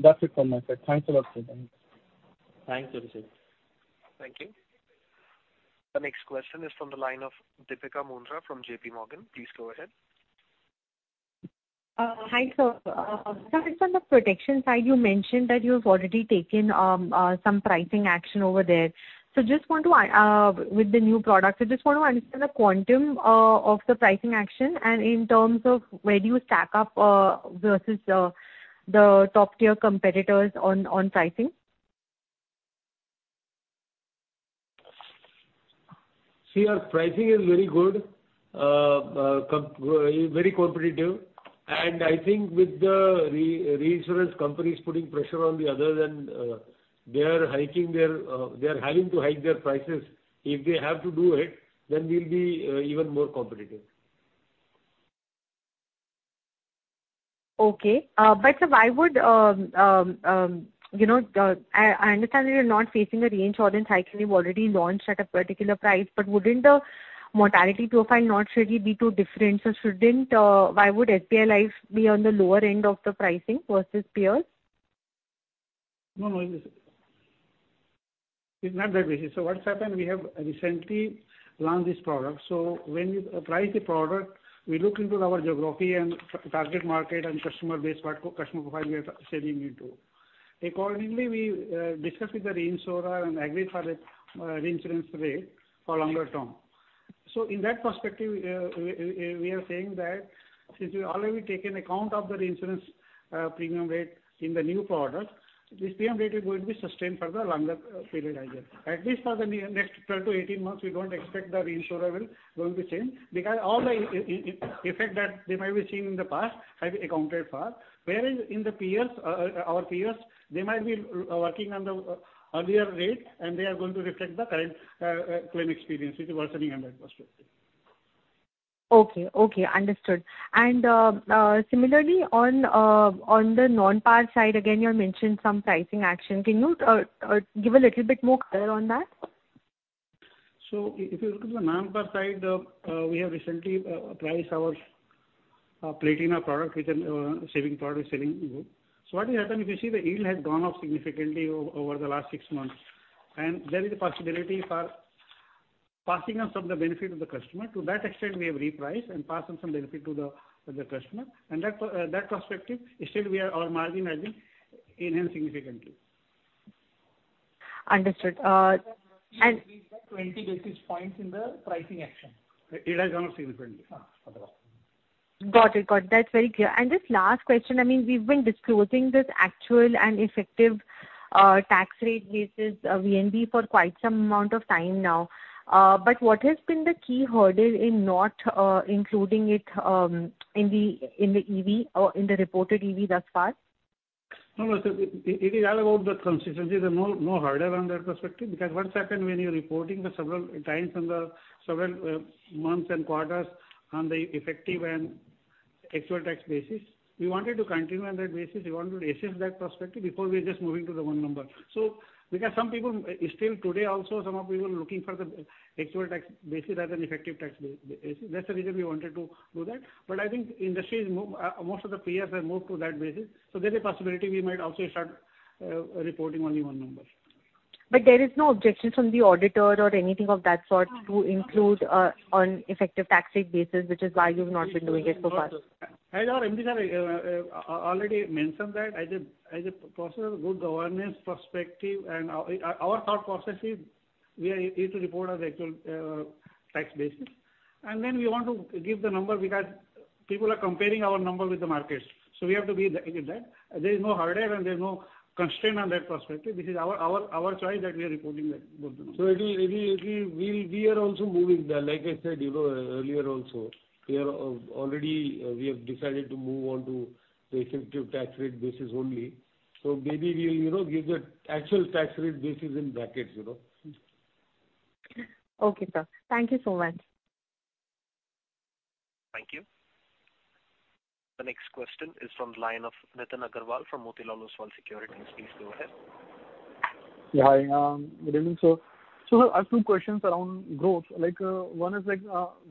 That's it from my side. Thanks a lot, Sudhir. Thanks, Abhishek. Thank you. The next question is from the line of Deepika Mundra from JP Morgan. Please go ahead. Hi, sir. Sir, it's on the protection side. You mentioned that you have already taken some pricing action over there. Just want to understand the quantum of the pricing action with the new product and in terms of where you stack up versus the top tier competitors on pricing. See, our pricing is very good, very competitive. I think with the reinsurance companies putting pressure on the other, then, they are having to hike their prices. If they have to do it, then we'll be even more competitive. Okay. Sir, why would you know I understand that you're not facing a reinsurance hike you've already launched at a particular price. Wouldn't the mortality profile not really be too different, or shouldn't why would SBI Life be on the lower end of the pricing versus peers? No, no. It's not that basic. What's happened, we have recently launched this product. When you price a product, we look into our geography and target market and customer base, what customer profile we are selling into. Accordingly, we discuss with the reinsurer and agree for the reinsurance rate for longer term. In that perspective, we are saying that since we already take in account of the reinsurance premium rate in the new product, this premium rate is going to be sustained for the longer period either. At least for the next 12-18 months, we don't expect the reinsurer will going to change because all the effect that they might be seeing in the past have accounted for. Whereas our peers might be working on the earlier rate, and they are going to reflect the current claim experience which is worsening in that perspective. Okay. Understood. Similarly on the non-par side, again, you had mentioned some pricing action. Can you give a little bit more color on that? If you look at the non-par side, we have recently priced our Platina product, which is saving product we're selling. What has happened, if you see the yield has gone up significantly over the last six months, and there is a possibility for passing on some of the benefit to the customer. To that extent, we have repriced and passed on some benefit to the customer. From that perspective, still our margin has been enhanced significantly. Understood. 20 basis points in the pricing action. It has gone up significantly. Ha. Got it. That's very clear. Just last question, I mean, we've been disclosing this actual and effective tax rate basis VNB for quite some amount of time now. What has been the key hurdle in not including it in the EV or in the reported EV thus far? No, no. It is all about the consistency. There's no hurdle on that perspective because what happen when you're reporting for several times on the several months and quarters on the effective and actual tax basis, we wanted to continue on that basis. We want to assess that perspective before we're just moving to the one number. Because some people still today also some of people looking for the actual tax basis rather than effective tax basis. That's the reason we wanted to do that. I think industry has moved. Most of the peers have moved to that basis. There's a possibility we might also start reporting only one number. There is no objection from the auditor or anything of that sort to include on effective tax rate basis, which is why you've not been doing it so far? As our MD, sir, already mentioned that as a process, good governance perspective and our thought process is we are here to report on the actual tax basis. Then we want to give the number because people are comparing our number with the markets. We have to be with that. There is no hurdle and there's no constraint on that perspective. This is our choice that we are reporting that, both the numbers. We'll we are also moving there. Like I said, you know, earlier also, we have already decided to move on to the effective tax rate basis only. Maybe we'll, you know, give the actual tax rate basis in brackets, you know? Okay, sir. Thank you so much. Thank you. The next question is from the line of Nitin Aggarwal from Motilal Oswal Securities. Please go ahead. Yeah, hi. Good evening, sir. I have two questions around growth. One is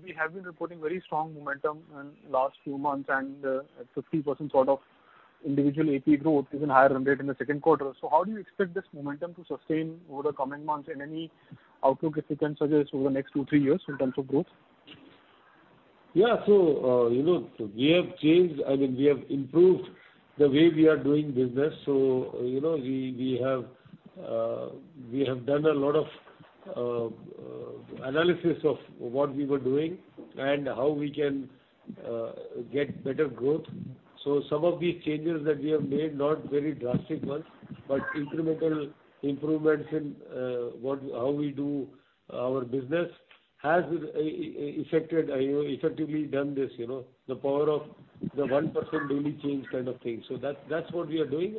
we have been reporting very strong momentum in last few months and 50% sort of individual APE growth, even higher run rate in the second quarter. How do you expect this momentum to sustain over the coming months? Any outlook, if you can suggest over the next two, three years in terms of growth? Yeah, you know, we have changed. I mean, we have improved the way we are doing business. You know, we have done a lot of analysis of what we were doing and how we can get better growth. Some of the changes that we have made, not very drastic ones, but incremental improvements in how we do our business has effected, you know, effectively done this, you know. The power of the 1% daily change kind of thing. That's what we are doing.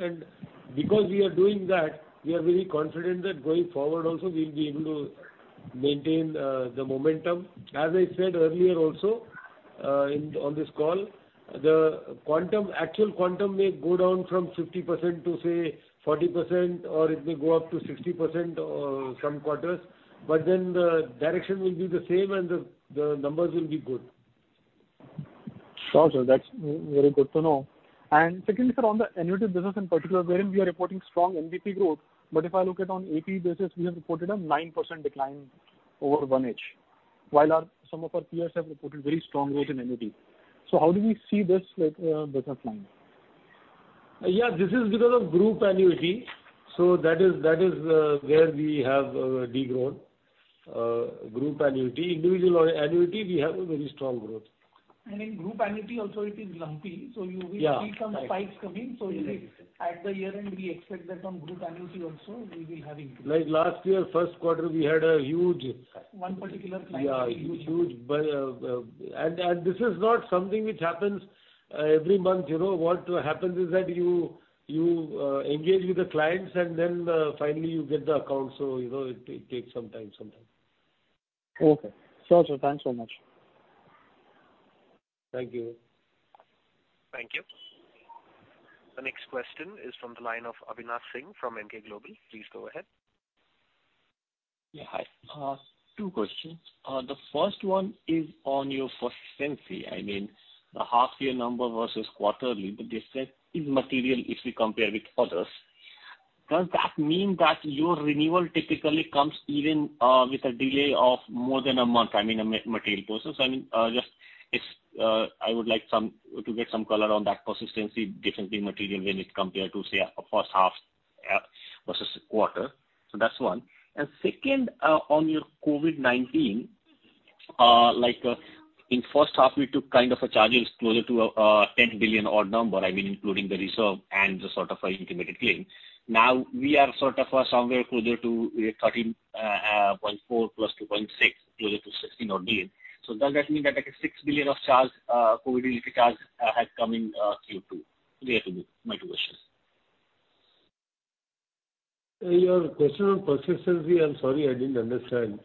Because we are doing that, we are very confident that going forward also we'll be able to maintain the momentum. As I said earlier also, on this call, the quantum, actual quantum may go down from 50% to, say, 40%, or it may go up to 60% or some quarters, but then the direction will be the same and the numbers will be good. Got you. That's very good to know. Secondly, sir, on the annuity business in particular, wherein we are reporting strong NBP growth, but if I look at on APE basis, we have reported a 9% decline over 1H, while some of our peers have reported very strong growth in annuity. How do we see this, like, business line? Yeah, this is because of group annuity. That is where we have de-grown. Group annuity. Individual annuity, we have a very strong growth. In group annuity also it is lumpy, so you will- Yeah. We see some spikes coming. Usually at the year-end, we expect that from group annuity also, we will have an increase. Like last year, first quarter, we had a huge One particular client. Yeah. Huge. This is not something which happens every month, you know. What happens is that you engage with the clients and then finally you get the account. You know, it takes some time sometimes. Okay. Sure, sure. Thanks so much. Thank you. Thank you. The next question is from the line of Avinash Singh from Emkay Global. Please go ahead. Hi. Two questions. The first one is on your persistency. I mean, the half year number versus quarterly, the difference is material if you compare with others. Does that mean that your renewal typically comes even with a delay of more than a month? I mean, a material process. I mean, just it's, I would like to get some color on that persistency difference is material when it compares to, say, a first half versus quarter. That's one. Second, on your COVID-19, like, in first half we took kind of a charges closer to 10 billion odd number. I mean, including the reserve and the sort of intimated claim. Now, we are sort of somewhere closer to 13.4 + 2.6, closer to 16 billion. Does that mean that like a 6 billion of charge, COVID-related charge, has come in Q2? Clearly, my two questions. Your question on persistency, I'm sorry, I didn't understand.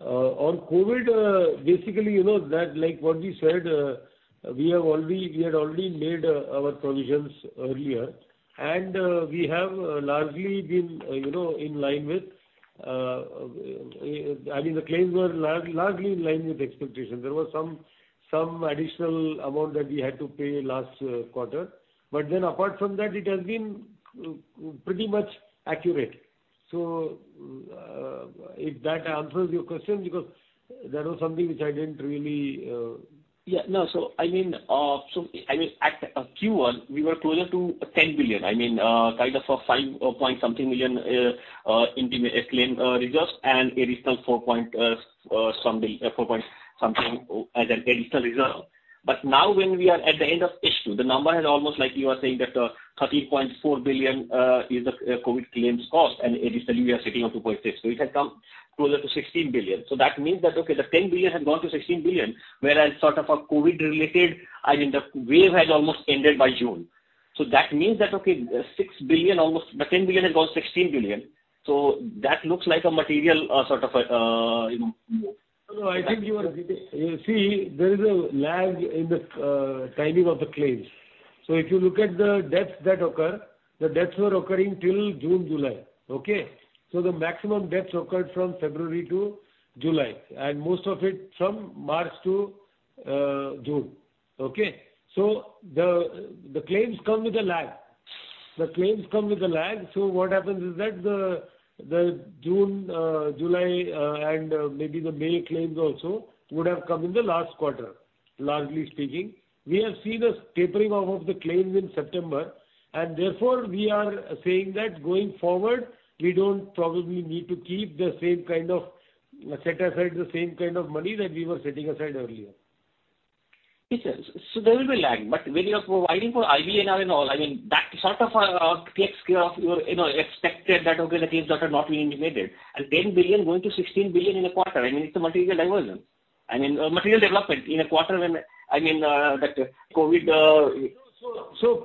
On COVID, basically, you know, that like what we said, we had already made our provisions earlier. We have largely been, you know, in line with, I mean, the claims were largely in line with the expectation. There was some additional amount that we had to pay last quarter. Apart from that, it has been pretty much accurate. If that answers your question, because that was something which I didn't really I mean, at Q1, we were closer to 10 billion. I mean, kind of a 5 point something billion IBNR claim reserves and additional 4 point something as an additional reserve. Now when we are at the end of H2, the number is almost like you are saying that 13.4 billion is the COVID claims cost and additionally we are sitting on 2.6 billion. It has come closer to 16 billion. That means that the 10 billion has gone to 16 billion, whereas sort of a COVID-related, I mean, the wave has almost ended by June. That means that almost 6 billion, the 10 billion has gone to 16 billion. That looks like a material, sort of, you know. No, I think. See, there is a lag in the timing of the claims. If you look at the deaths that occur, the deaths were occurring till June, July. Okay? The claims come with a lag. The claims come with a lag, so what happens is that the June, July, and maybe the May claims also would have come in the last quarter, largely speaking. We have seen a tapering off of the claims in September, and therefore we are saying that going forward, we don't probably need to set aside the same kind of money that we were setting aside earlier. Yes, sir. There will be lag. When you are providing for IBNR and all, I mean, that sort of takes care of your, you know, expected that, okay, the claims that are not being intimated. 10 billion-16 billion in a quarter, I mean, it's a material diversion. I mean, a material development in a quarter when, I mean, that COVID,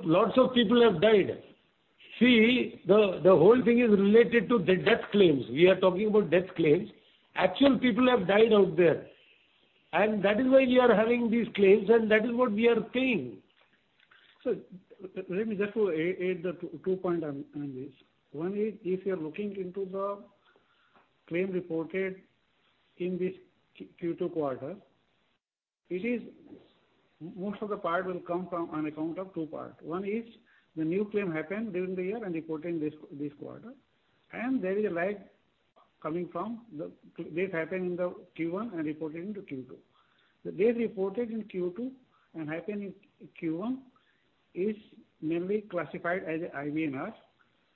Lots of people have died. See, the whole thing is related to the death claims. We are talking about death claims. Actual people have died out there. That is why we are having these claims and that is what we are paying. Let me just add two points on this. One is if you are looking into the claims reported in this Q2 quarter, it is most of the part will come from on account of two parts. One is the new claims happened during the year and reported in this quarter. There is a lag coming from this happened in the Q1 and reported into Q2. The death reported in Q2 and happened in Q1 is mainly classified as IBNR,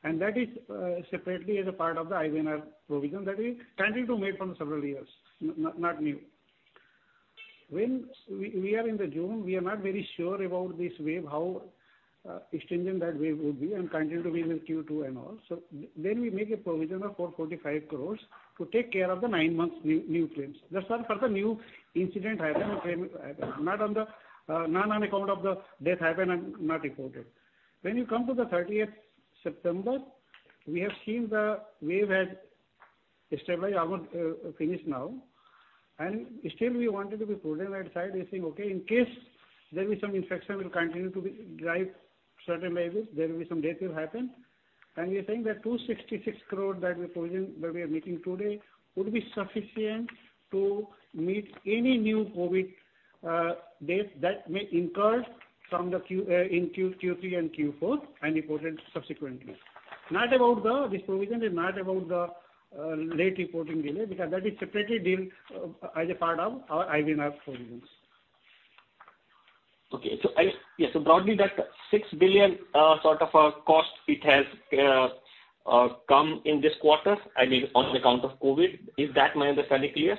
and that is separately as a part of the IBNR provision that we continue to make from several years, not new. When we are in June, we are not very sure about this wave, how extending that wave will be and continue to be in Q2 and all. We make a provision of 445 crore to take care of the nine months new claims. That's all for the new incident happened or claim happened. Not on account of the death happened and not reported. When you come to the thirtieth September, we have seen the wave has stabilized, almost, finished now. Still we wanted to be prudent and decide, we're saying, okay, in case there will be some infection will continue to be live, certain maybe there will be some death will happen. We are saying that 266 crore that we provision, that we are making today, would be sufficient to meet any new COVID death that may incur in Q3 and Q4 and reported subsequently. This provision is not about the late reporting delay because that is separately dealt as a part of our IBNR provisions. Broadly, that 6 billion sort of a cost that has come in this quarter, I mean, on account of COVID. Is that my understanding clear?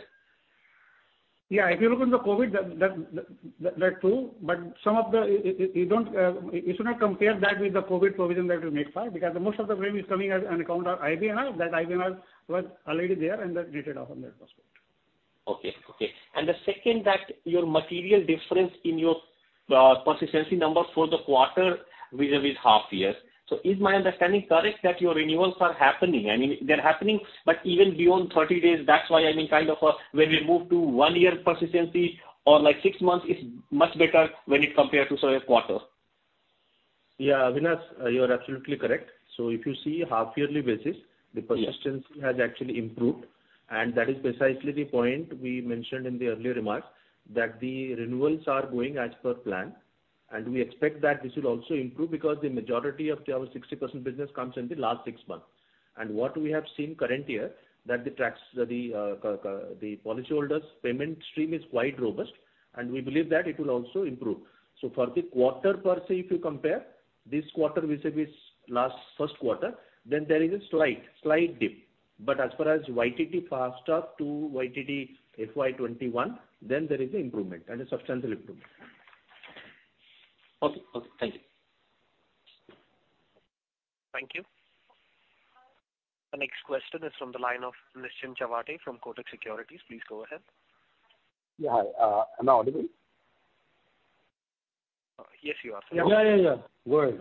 Yeah. If you look at the COVID, that is true, but some of you don't. You should not compare that with the COVID provision that we made five, because most of the claims are coming on account of IBNR. That IBNR was already there and that dated back from that perspective. The second is that there's a material difference in your persistency number for the quarter vis-a-vis half year. Is my understanding correct that your renewals are happening? I mean, they're happening but even beyond 30 days, that's why I mean kind of when we move to 1-year persistency or like six months is much better when you compare to say a quarter. Yeah. Avinash, you are absolutely correct. If you see half yearly basis. Yeah. The persistency has actually improved. That is precisely the point we mentioned in the earlier remarks, that the renewals are going as per plan. We expect that this will also improve because the majority of our 60% business comes in the last six months. What we have seen current year that the tracks, the cash, the policyholders payment stream is quite robust and we believe that it will also improve. For the quarter per se if you compare this quarter vis-a-vis last first quarter, then there is a slight dip. As far as YTD first half to YTD FY 2021, then there is an improvement and a substantial improvement. Okay. Thank you. Thank you. The next question is from the line of Nischint Chawathe from Kotak Securities. Please go ahead. Yeah. Hi. Am I audible? Yes, you are, sir. Yeah, yeah. Go ahead.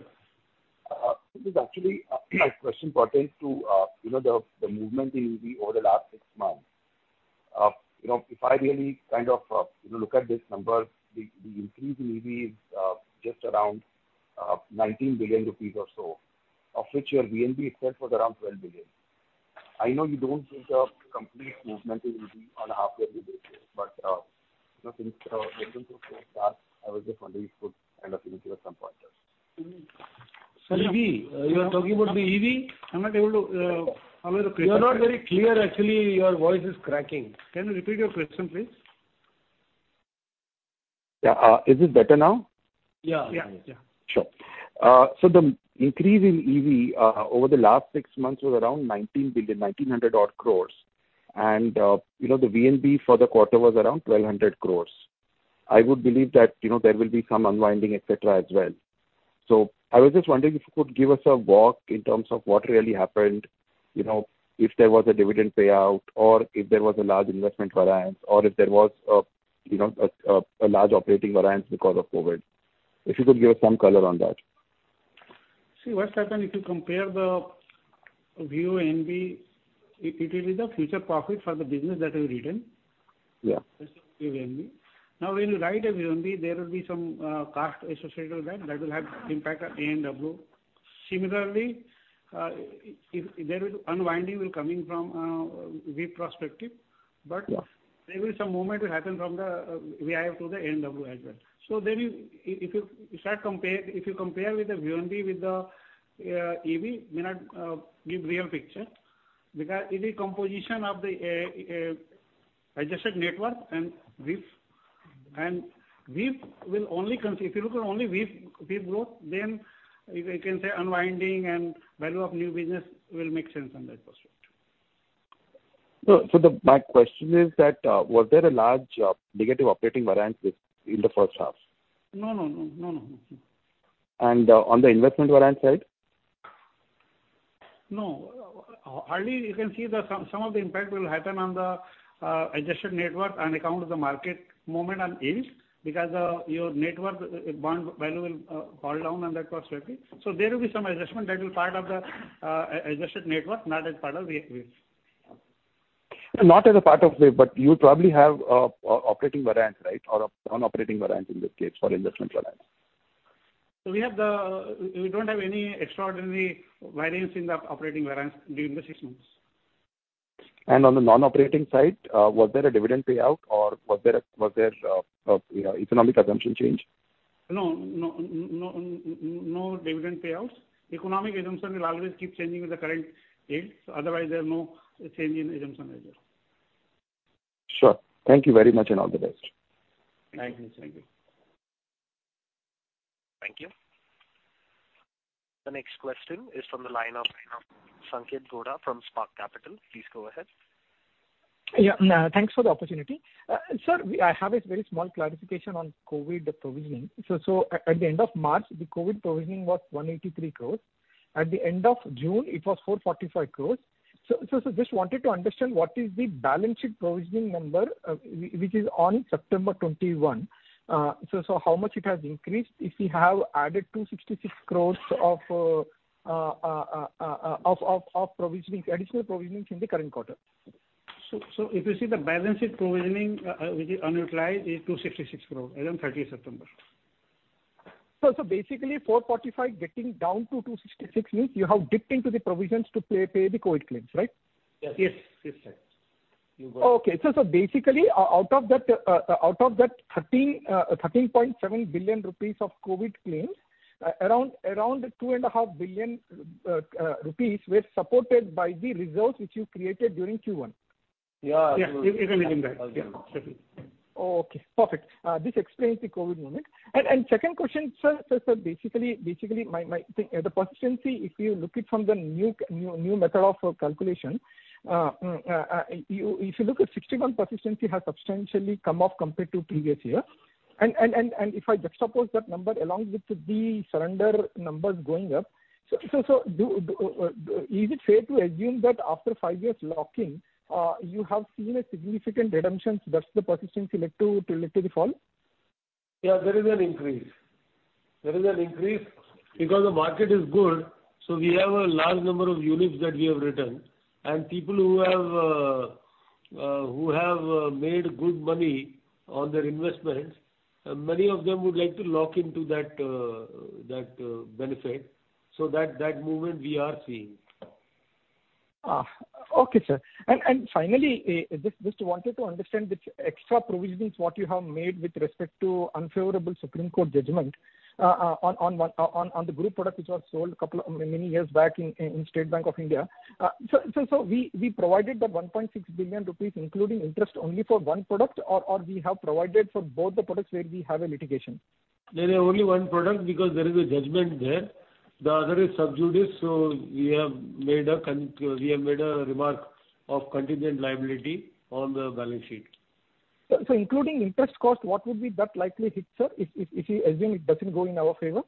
It is actually my question pertains to you know the movement in EV over the last six months. You know, if I really kind of you know look at this number, the increase in EV is just around 19 billion rupees or so, of which your VNB itself was around 12 billion. I know you don't think of complete movement in EV on a half yearly basis. You know, since in terms of first half, I was just wondering if you could kind of give me some pointers. Sorry, you are talking about the EV. You're not very clear actually. Your voice is cracking. Can you repeat your question, please? Yeah. Is it better now? Yeah. Yeah. Yeah. Sure. So the increase in EV over the last six months was around 19 billion, 1,900 odd crores. You know, the VNB for the quarter was around 1,200 crores. I would believe that, you know, there will be some unwinding et cetera as well. I was just wondering if you could give us a walk in terms of what really happened, you know, if there was a dividend payout or if there was a large investment variance, or if there was a, you know, a large operating variance because of COVID. If you could give us some color on that. See what's happened if you compare the VNB, it is the future profit for the business that we've written. Yeah. That's the VNB. Now, when you write a VNB, there will be some cost associated with that will have impact on ANW. Similarly, if there is unwinding will coming from retrospective. Yeah. There will be some movement that will happen from the VIF to the ANW as well. If you compare the VNB with the EV, it may not give a real picture because it is the composition of the adjusted net worth and VIF. If you look at only VIF growth, then you can say unwinding and value of new business will make sense on that perspective. My question is, was there a large negative operating variance in the first half? No, no. No, no. Mm-mm. On the investment variance side? No. Hardly you can see some of the impact will happen on the adjusted net worth on account of the market movement on yield because your net worth bond value will fall down on that perspective. There will be some adjustment that will be part of the adjusted net worth, not as part of the VIF. Not as a part of VIF, but you probably have operating variance, right? Or a non-operating variance in this case for investment variance. We don't have any extraordinary variance in the operating variance during the six months. On the non-operating side, was there a dividend payout or economic assumption change? No dividend payouts. Economic assumptions will always keep changing with the current yield. Otherwise, there are no changes in assumptions as such. Sure. Thank you very much and all the best. Thank you. Thank you. Thank you. The next question is from the line of Sanket Chheda from Spark Capital. Please go ahead. Yeah. Thanks for the opportunity. Sir, I have a very small clarification on COVID provision. At the end of March, the COVID provisioning was 183 crores. At the end of June, it was 445 crores. Just wanted to understand what is the balance sheet provisioning number, which is on September 21. How much it has increased if we have added 266 crores of additional provisioning in the current quarter? If you see the balance sheet provisioning, which is unutilized is 266 crores as on 30th September. Basically 445 getting down to 266 means you have dipped into the provisions to pay the COVID claims, right? Yes. Yes, sir. You got it. Okay. Basically out of that 13.7 billion rupees of COVID claims, around 2.5 billion rupees were supported by the reserves which you created during Q1. Yeah, absolutely. Yeah, you can hear me back. Yeah, definitely. Oh, okay. Perfect. This explains the COVID moment. Second question, sir, basically the persistency, if you look at it from the new method of calculation, 61% persistency has substantially come off compared to previous year. If I just superimpose that number along with the surrender numbers going up, is it fair to assume that after 5 years lock-in, you have seen a significant redemption, that's the persistency led to the fall? Yeah, there is an increase. There is an increase because the market is good, so we have a large number of units that we have returned. People who have made good money on their investments, many of them would like to lock into that benefit. That movement we are seeing. Okay, sir. Finally, just wanted to understand what extra provisions you have made with respect to unfavorable Supreme Court of India judgment on the group product which was sold couple of many years back in State Bank of India. We provided 1.6 billion rupees including interest only for one product or we have provided for both the products where we have a litigation? There is only one product because there is a judgment there. The other is sub judice, so we have made a remark of contingent liability on the balance sheet. Including interest cost, what would be that likely hit, sir, if you assume it doesn't go in our favor?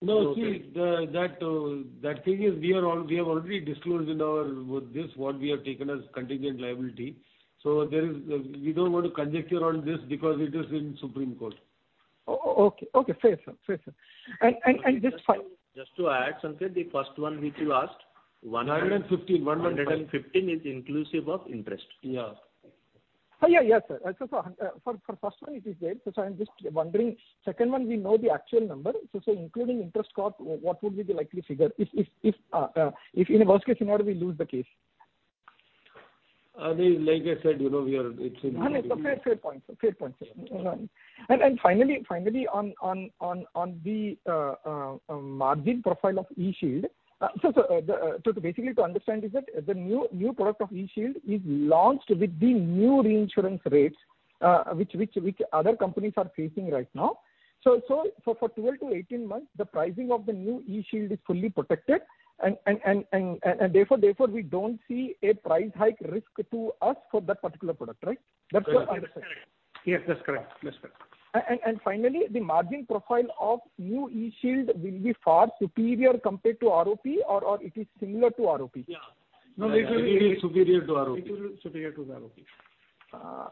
No. See, that thing is we have already disclosed in our, this is what we have taken as contingent liability. We don't want to conjecture on this because it is in Supreme Court. Okay. Fair, sir. Just final Just to add, Sanket, the first one which you asked, one- Nine hundred and fifteen. One hundred and fifteen. 115 is inclusive of interest. Yeah. Yeah. Yes, sir. For the first one it is there. I'm just wondering, for the second one we know the actual number. Including interest cost, what would be the likely figure if in a worst-case scenario we lose the case? Like I said, you know, it's in. No. Fair point, sir. Fair point, sir. Finally on the margin profile of eShield, to basically understand is that the new product of eShield is launched with the new reinsurance rates, which other companies are facing right now. For 12-18 months, the pricing of the new eShield is fully protected and therefore we don't see a price hike risk to us for that particular product, right? That's what I'm saying. Yes, that's correct. Yes, sir. Finally, the margin profile of new eShield will be far superior compared to ROP or it is similar to ROP? Yeah. No, it will be superior to ROP. It will be superior to the ROP.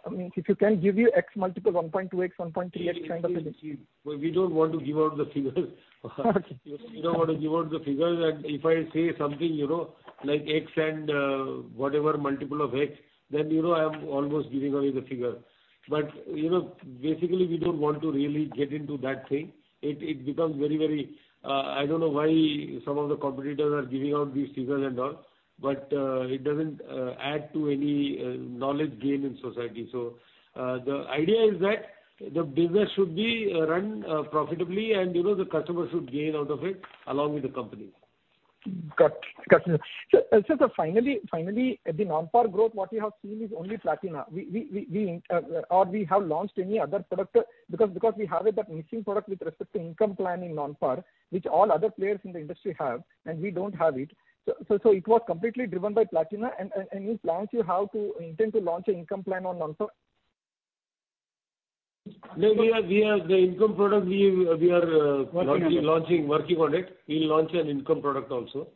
I mean, if you can give your X multiple, 1.2x, 1.3x kind of a thing. We don't want to give out the figures. Okay. We don't want to give out the figures and if I say something, you know, like X and whatever multiple of X, then, you know, I am almost giving away the figure. You know, basically we don't want to really get into that thing. It becomes very. I don't know why some of the competitors are giving out these figures and all, but it doesn't add to any knowledge gain in society. The idea is that the business should be run profitably and, you know, the customer should gain out of it along with the company. Got it. Got you. Finally, at the non-par growth, what we have seen is only Platina. We have not launched any other product because we have that missing product with respect to income planning non-par, which all other players in the industry have and we don't have it. It was completely driven by Platina and in future how we intend to launch an income plan on non-par? No, we are working on the income product. We'll launch an income product also.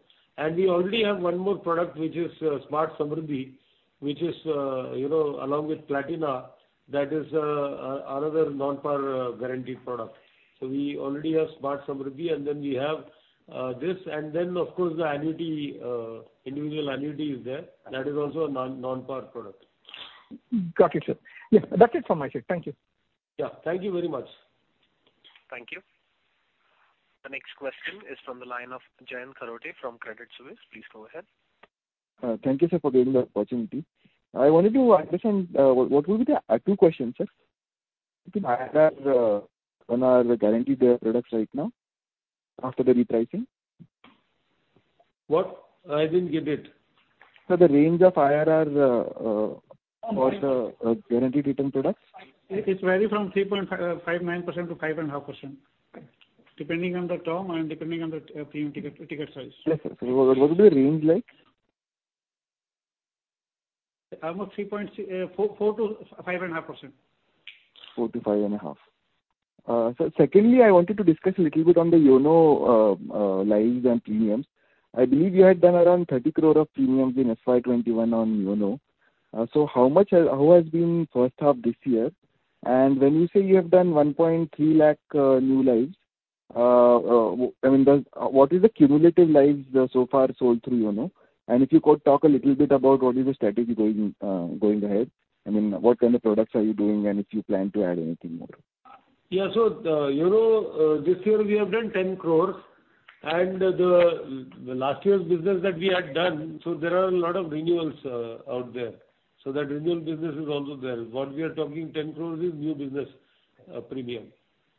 We already have one more product which is Smart Samruddhi, which is, you know, along with Platina, that is another non-par guaranteed product. We already have Smart Samruddhi, and then we have this and then of course the annuity, individual annuity is there. That is also a non-par product. Got it, sir. Yes. That's it from my side. Thank you. Yeah. Thank you very much. Thank you. The next question is from the line of Jayant Kharote from Credit Suisse. Please go ahead. Thank you, sir, for giving the opportunity. I wanted to understand what will be the two questions, sir. What is IRR on our guaranteed products right now after the repricing? What? I didn't get it. Sir, the range of IRR for the guaranteed return products. It varies from 3.59% to 5.5%. Right. Depending on the term and depending on the premium ticket size. Yes, yes. What would be the range like? Around 3.4%-5.5%. four to 5.5. Sir, secondly, I wanted to discuss a little bit on the YONO lives and premiums. I believe you had done around 30 crore of premiums in FY 2021 on YONO. So how has the first half been this year? And when you say you have done 1.3 lakh new lives, I mean, what is the cumulative lives so far sold through YONO? And if you could talk a little bit about what is the strategy going ahead. I mean, what kind of products are you doing, and if you plan to add anything more? Yeah. The YONO, this year we have done 10 crore and the last year's business that we had done, so there are a lot of renewals out there. That renewal business is also there. What we are talking ten crores is new business premium.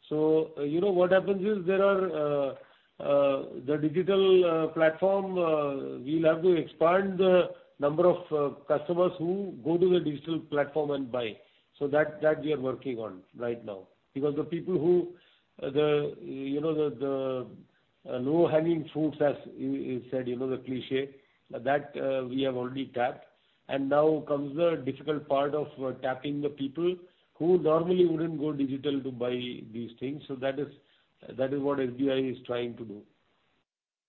You know, what happens is there are the digital platform. We'll have to expand the number of customers who go to the digital platform and buy. That we are working on right now because the people who the, you know, the low-hanging fruits, as you said, you know the cliché, that we have already tapped. Now comes the difficult part of tapping the people who normally wouldn't go digital to buy these things. That is what SBI is trying to do.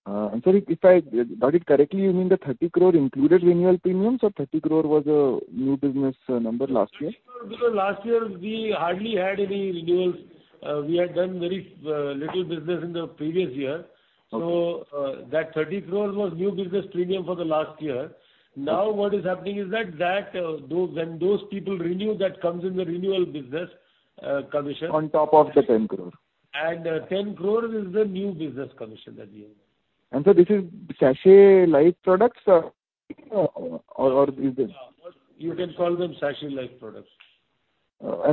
I'm sorry, if I got it correctly, you mean the 30 crore included renewal premiums or 30 crore was a new business number last year? Because last year we hardly had any renewals. We had done very little business in the previous year. Okay. That 30 crore was new business premium for the last year. Okay. Now, what is happening is that when those people renew, that comes in the renewal business commission. On top of the 10 crore. 10 crore is the new business commission that we have. This is sachet life products, or is it? You can call them sachet life products.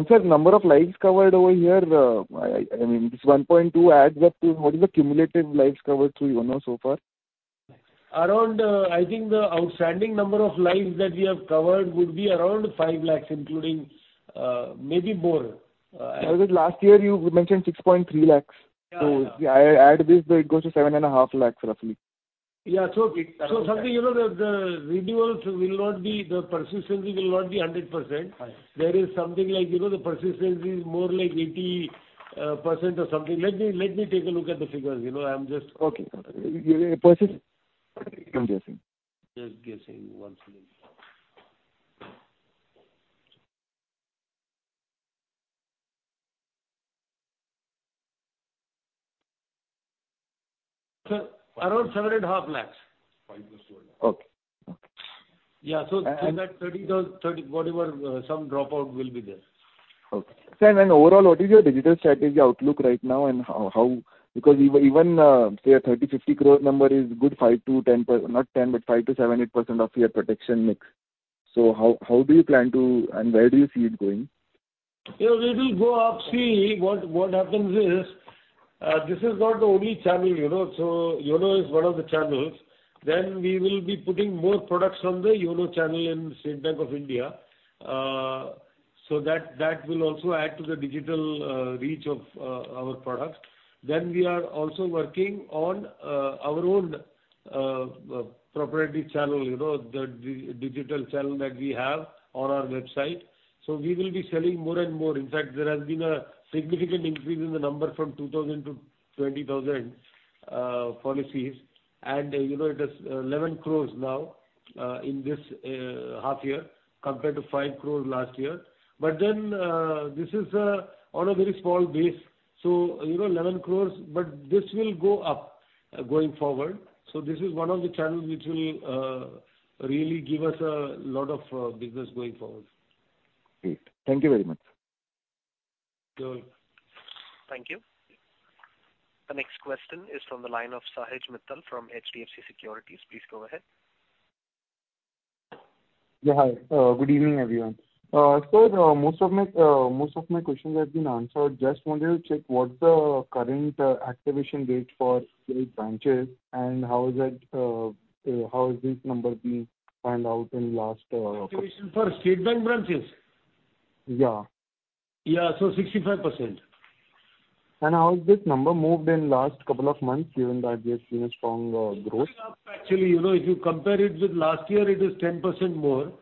Sir, number of lives covered over here, I mean this 1.2 adds up to what is the cumulative lives covered through YONO so far? Around, I think the outstanding number of lives that we have covered would be around five lakhs including, maybe more. Because last year you mentioned 6.3 lakh. Yeah, yeah. I add this, but it goes to 7.5 lakhs roughly. Something, you know, the persistence will not be 100%. Right. There is something like, you know, the persistence is more like 80% or something. Let me take a look at the figures. You know, I'm just. Okay. Just guessing one second. Sir, around 7.5 lakh. Okay. Okay. In that 30,030, whatever, some dropout will be there. Okay. Overall, what is your digital strategy outlook right now and how? Because even say a 30 crore-50 crore number is good 5%-10%, not 10%, but 5%-7%-8% of your protection mix. How do you plan to, and where do you see it going? Yeah, we will go up. See, what happens is, this is not the only channel, you know, YONO is one of the channels. We will be putting more products on the YONO channel in State Bank of India. That will also add to the digital reach of our products. We are also working on our own proprietary channel, you know, the digital channel that we have on our website. We will be selling more and more. In fact, there has been a significant increase in the number from 2,000 to 20,000 policies. You know, it is eleven crores now, in this half year compared to five crores last year. This is on a very small base. You know, 11 crore, but this will go up going forward. This is one of the channels which will really give us a lot of business going forward. Great. Thank you very much. You're welcome. Thank you. The next question is from the line of Sahej Mittal from HDFC Securities. Please go ahead. Yeah, hi. Good evening, everyone. Sir, most of my questions have been answered. Just wanted to check what's the current activation date for state branches, and how is this number been found out in last, Activation for State Bank branches? Yeah. Yeah. 65%. How is this number moved in last couple of months, given that we have seen a strong growth? Actually, you know, if you compare it with last year, it is 10% more.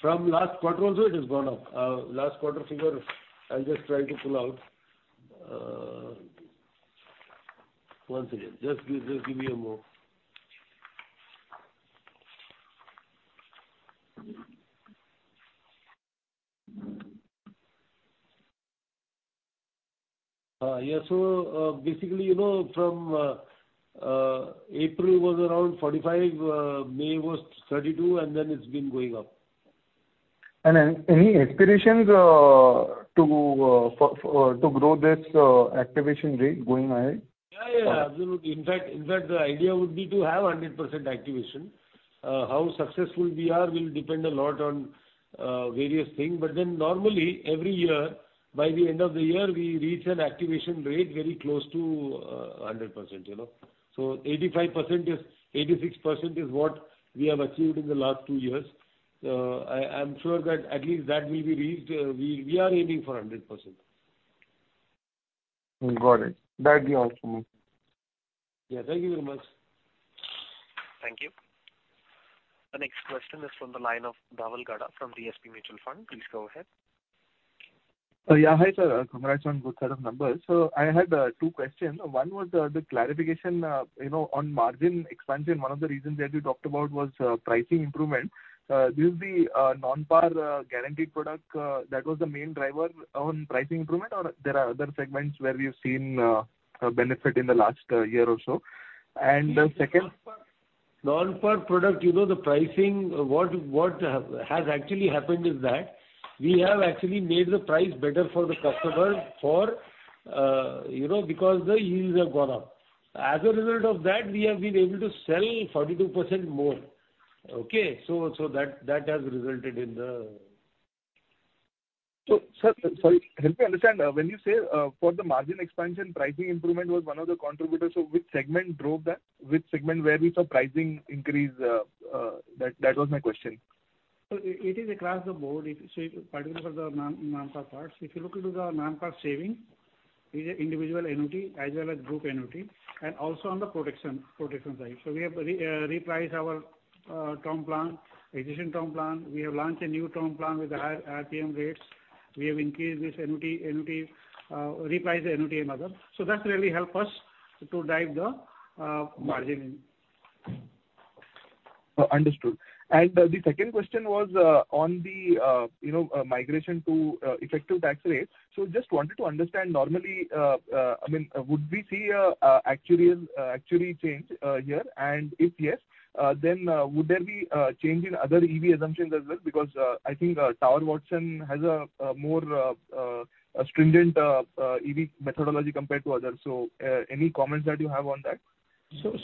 From last quarter also it has gone up. Last quarter figure I'm just trying to pull out. One second. Just give me a moment. Yeah. Basically, you know, from April was around 45%, May was 32%, and then it's been going up. Any aspirations to grow this activation rate going ahead? Yeah, yeah, absolutely. In fact, the idea would be to have 100% activation. How successful we are will depend a lot on various things. Normally every year, by the end of the year, we reach an activation rate very close to 100%, you know. 86% is what we have achieved in the last two years. I'm sure that at least that will be reached. We are aiming for 100%. Got it. That'd be all for me. Yeah. Thank you very much. Thank you. The next question is from the line of Dhaval Gada from DSP Mutual Fund. Please go ahead. Yeah. Hi, sir. Congrats on good set of numbers. I had two questions. One was the clarification, you know, on margin expansion. One of the reasons that you talked about was pricing improvement. This is the non-par guaranteed product that was the main driver on pricing improvement or there are other segments where we have seen a benefit in the last year or so? Second- Non-par product, you know, the pricing. What has actually happened is that we have actually made the price better for the customer, you know, because the yields have gone up. As a result of that, we have been able to sell 42% more. Okay. That has resulted in the, Sir, sorry, help me understand. When you say for the margin expansion, pricing improvement was one of the contributors, so which segment drove that? Which segment where we saw pricing increase? That was my question. It is across the board. If you particularly for the non-par parts. If you look into the non-par saving, it is individual annuity as well as group annuity and also on the protection side. We have repriced our term plan, existing term plan. We have launched a new term plan with higher RPM rates. We have increased this annuity, repriced the annuity and other. That really help us to drive the margin. Understood. The second question was on the, you know, migration to effective tax rates. Just wanted to understand normally, I mean, would we see an actuary change here? If yes, then would there be change in other EV assumptions as well? Because I think Willis Towers Watson has a more stringent EV methodology compared to others. Any comments that you have on that?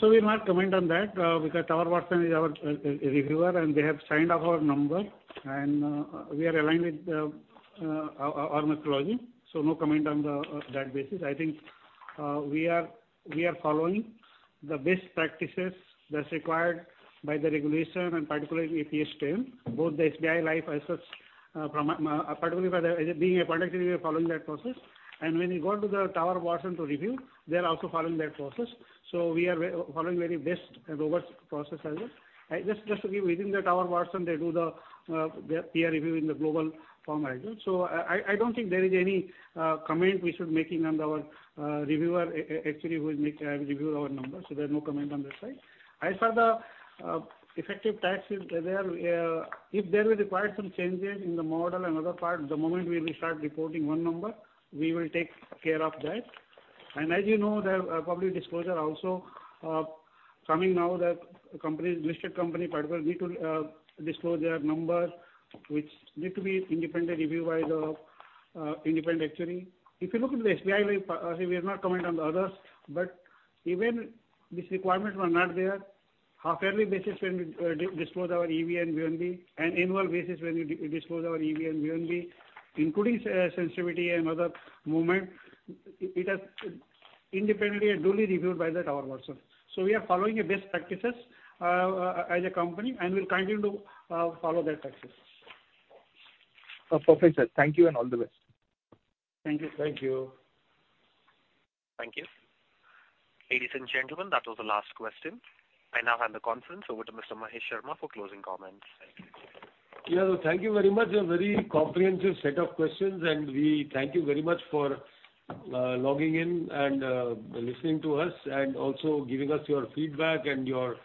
We'll not comment on that because Willis Towers Watson is our reviewer, and they have signed off our number and we are aligned with our methodology. No comment on that basis. I think we are following the best practices that's required by the regulation and particularly APS. Both the SBI Life as such from a particularly for the as being a product, we are following that process. When you go to the Willis Towers Watson to review, they're also following that process. We are following very best and robust process as well. Just to give you, within the Willis Towers Watson, they do their peer review in the global firm as well. I don't think there is any comment we should making on our reviewer actually who will make review our numbers. There are no comment on that side. As for the effective tax, if there will require some changes in the model and other part, the moment we will start reporting one number, we will take care of that. As you know, there are public disclosure also coming now that companies, listed company in particular need to disclose their numbers which need to be independently reviewed by the independent actuary. If you look into the SBI Life, see we are not commenting on the others, but even these requirements were not there, half yearly basis when we disclose our EV and VNB and annual basis when we disclose our EV and VNB, including sensitivity and other movement, it has been independently and duly reviewed by the Willis Towers Watson. We are following best practices as a company and will continue to follow that practice. Perfect, sir. Thank you and all the best. Thank you. Thank you. Thank you. Ladies and gentlemen, that was the last question. I now hand the conference over to Mr. Mahesh Sharma for closing comments. Thank you. Yeah. Thank you very much. A very comprehensive set of questions, and we thank you very much for logging in and listening to us and also giving us your feedback and your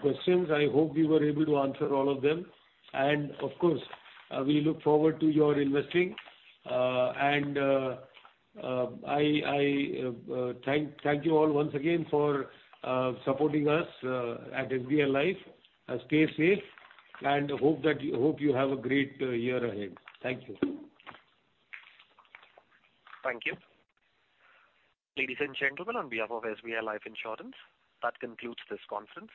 questions. I hope we were able to answer all of them. Of course, we look forward to your investing. I thank you all once again for supporting us at SBI Life. Stay safe, and hope you have a great year ahead. Thank you. Thank you. Ladies and gentlemen, on behalf of SBI Life Insurance, that concludes this conference.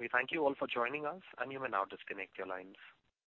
We thank you all for joining us, and you may now disconnect your lines.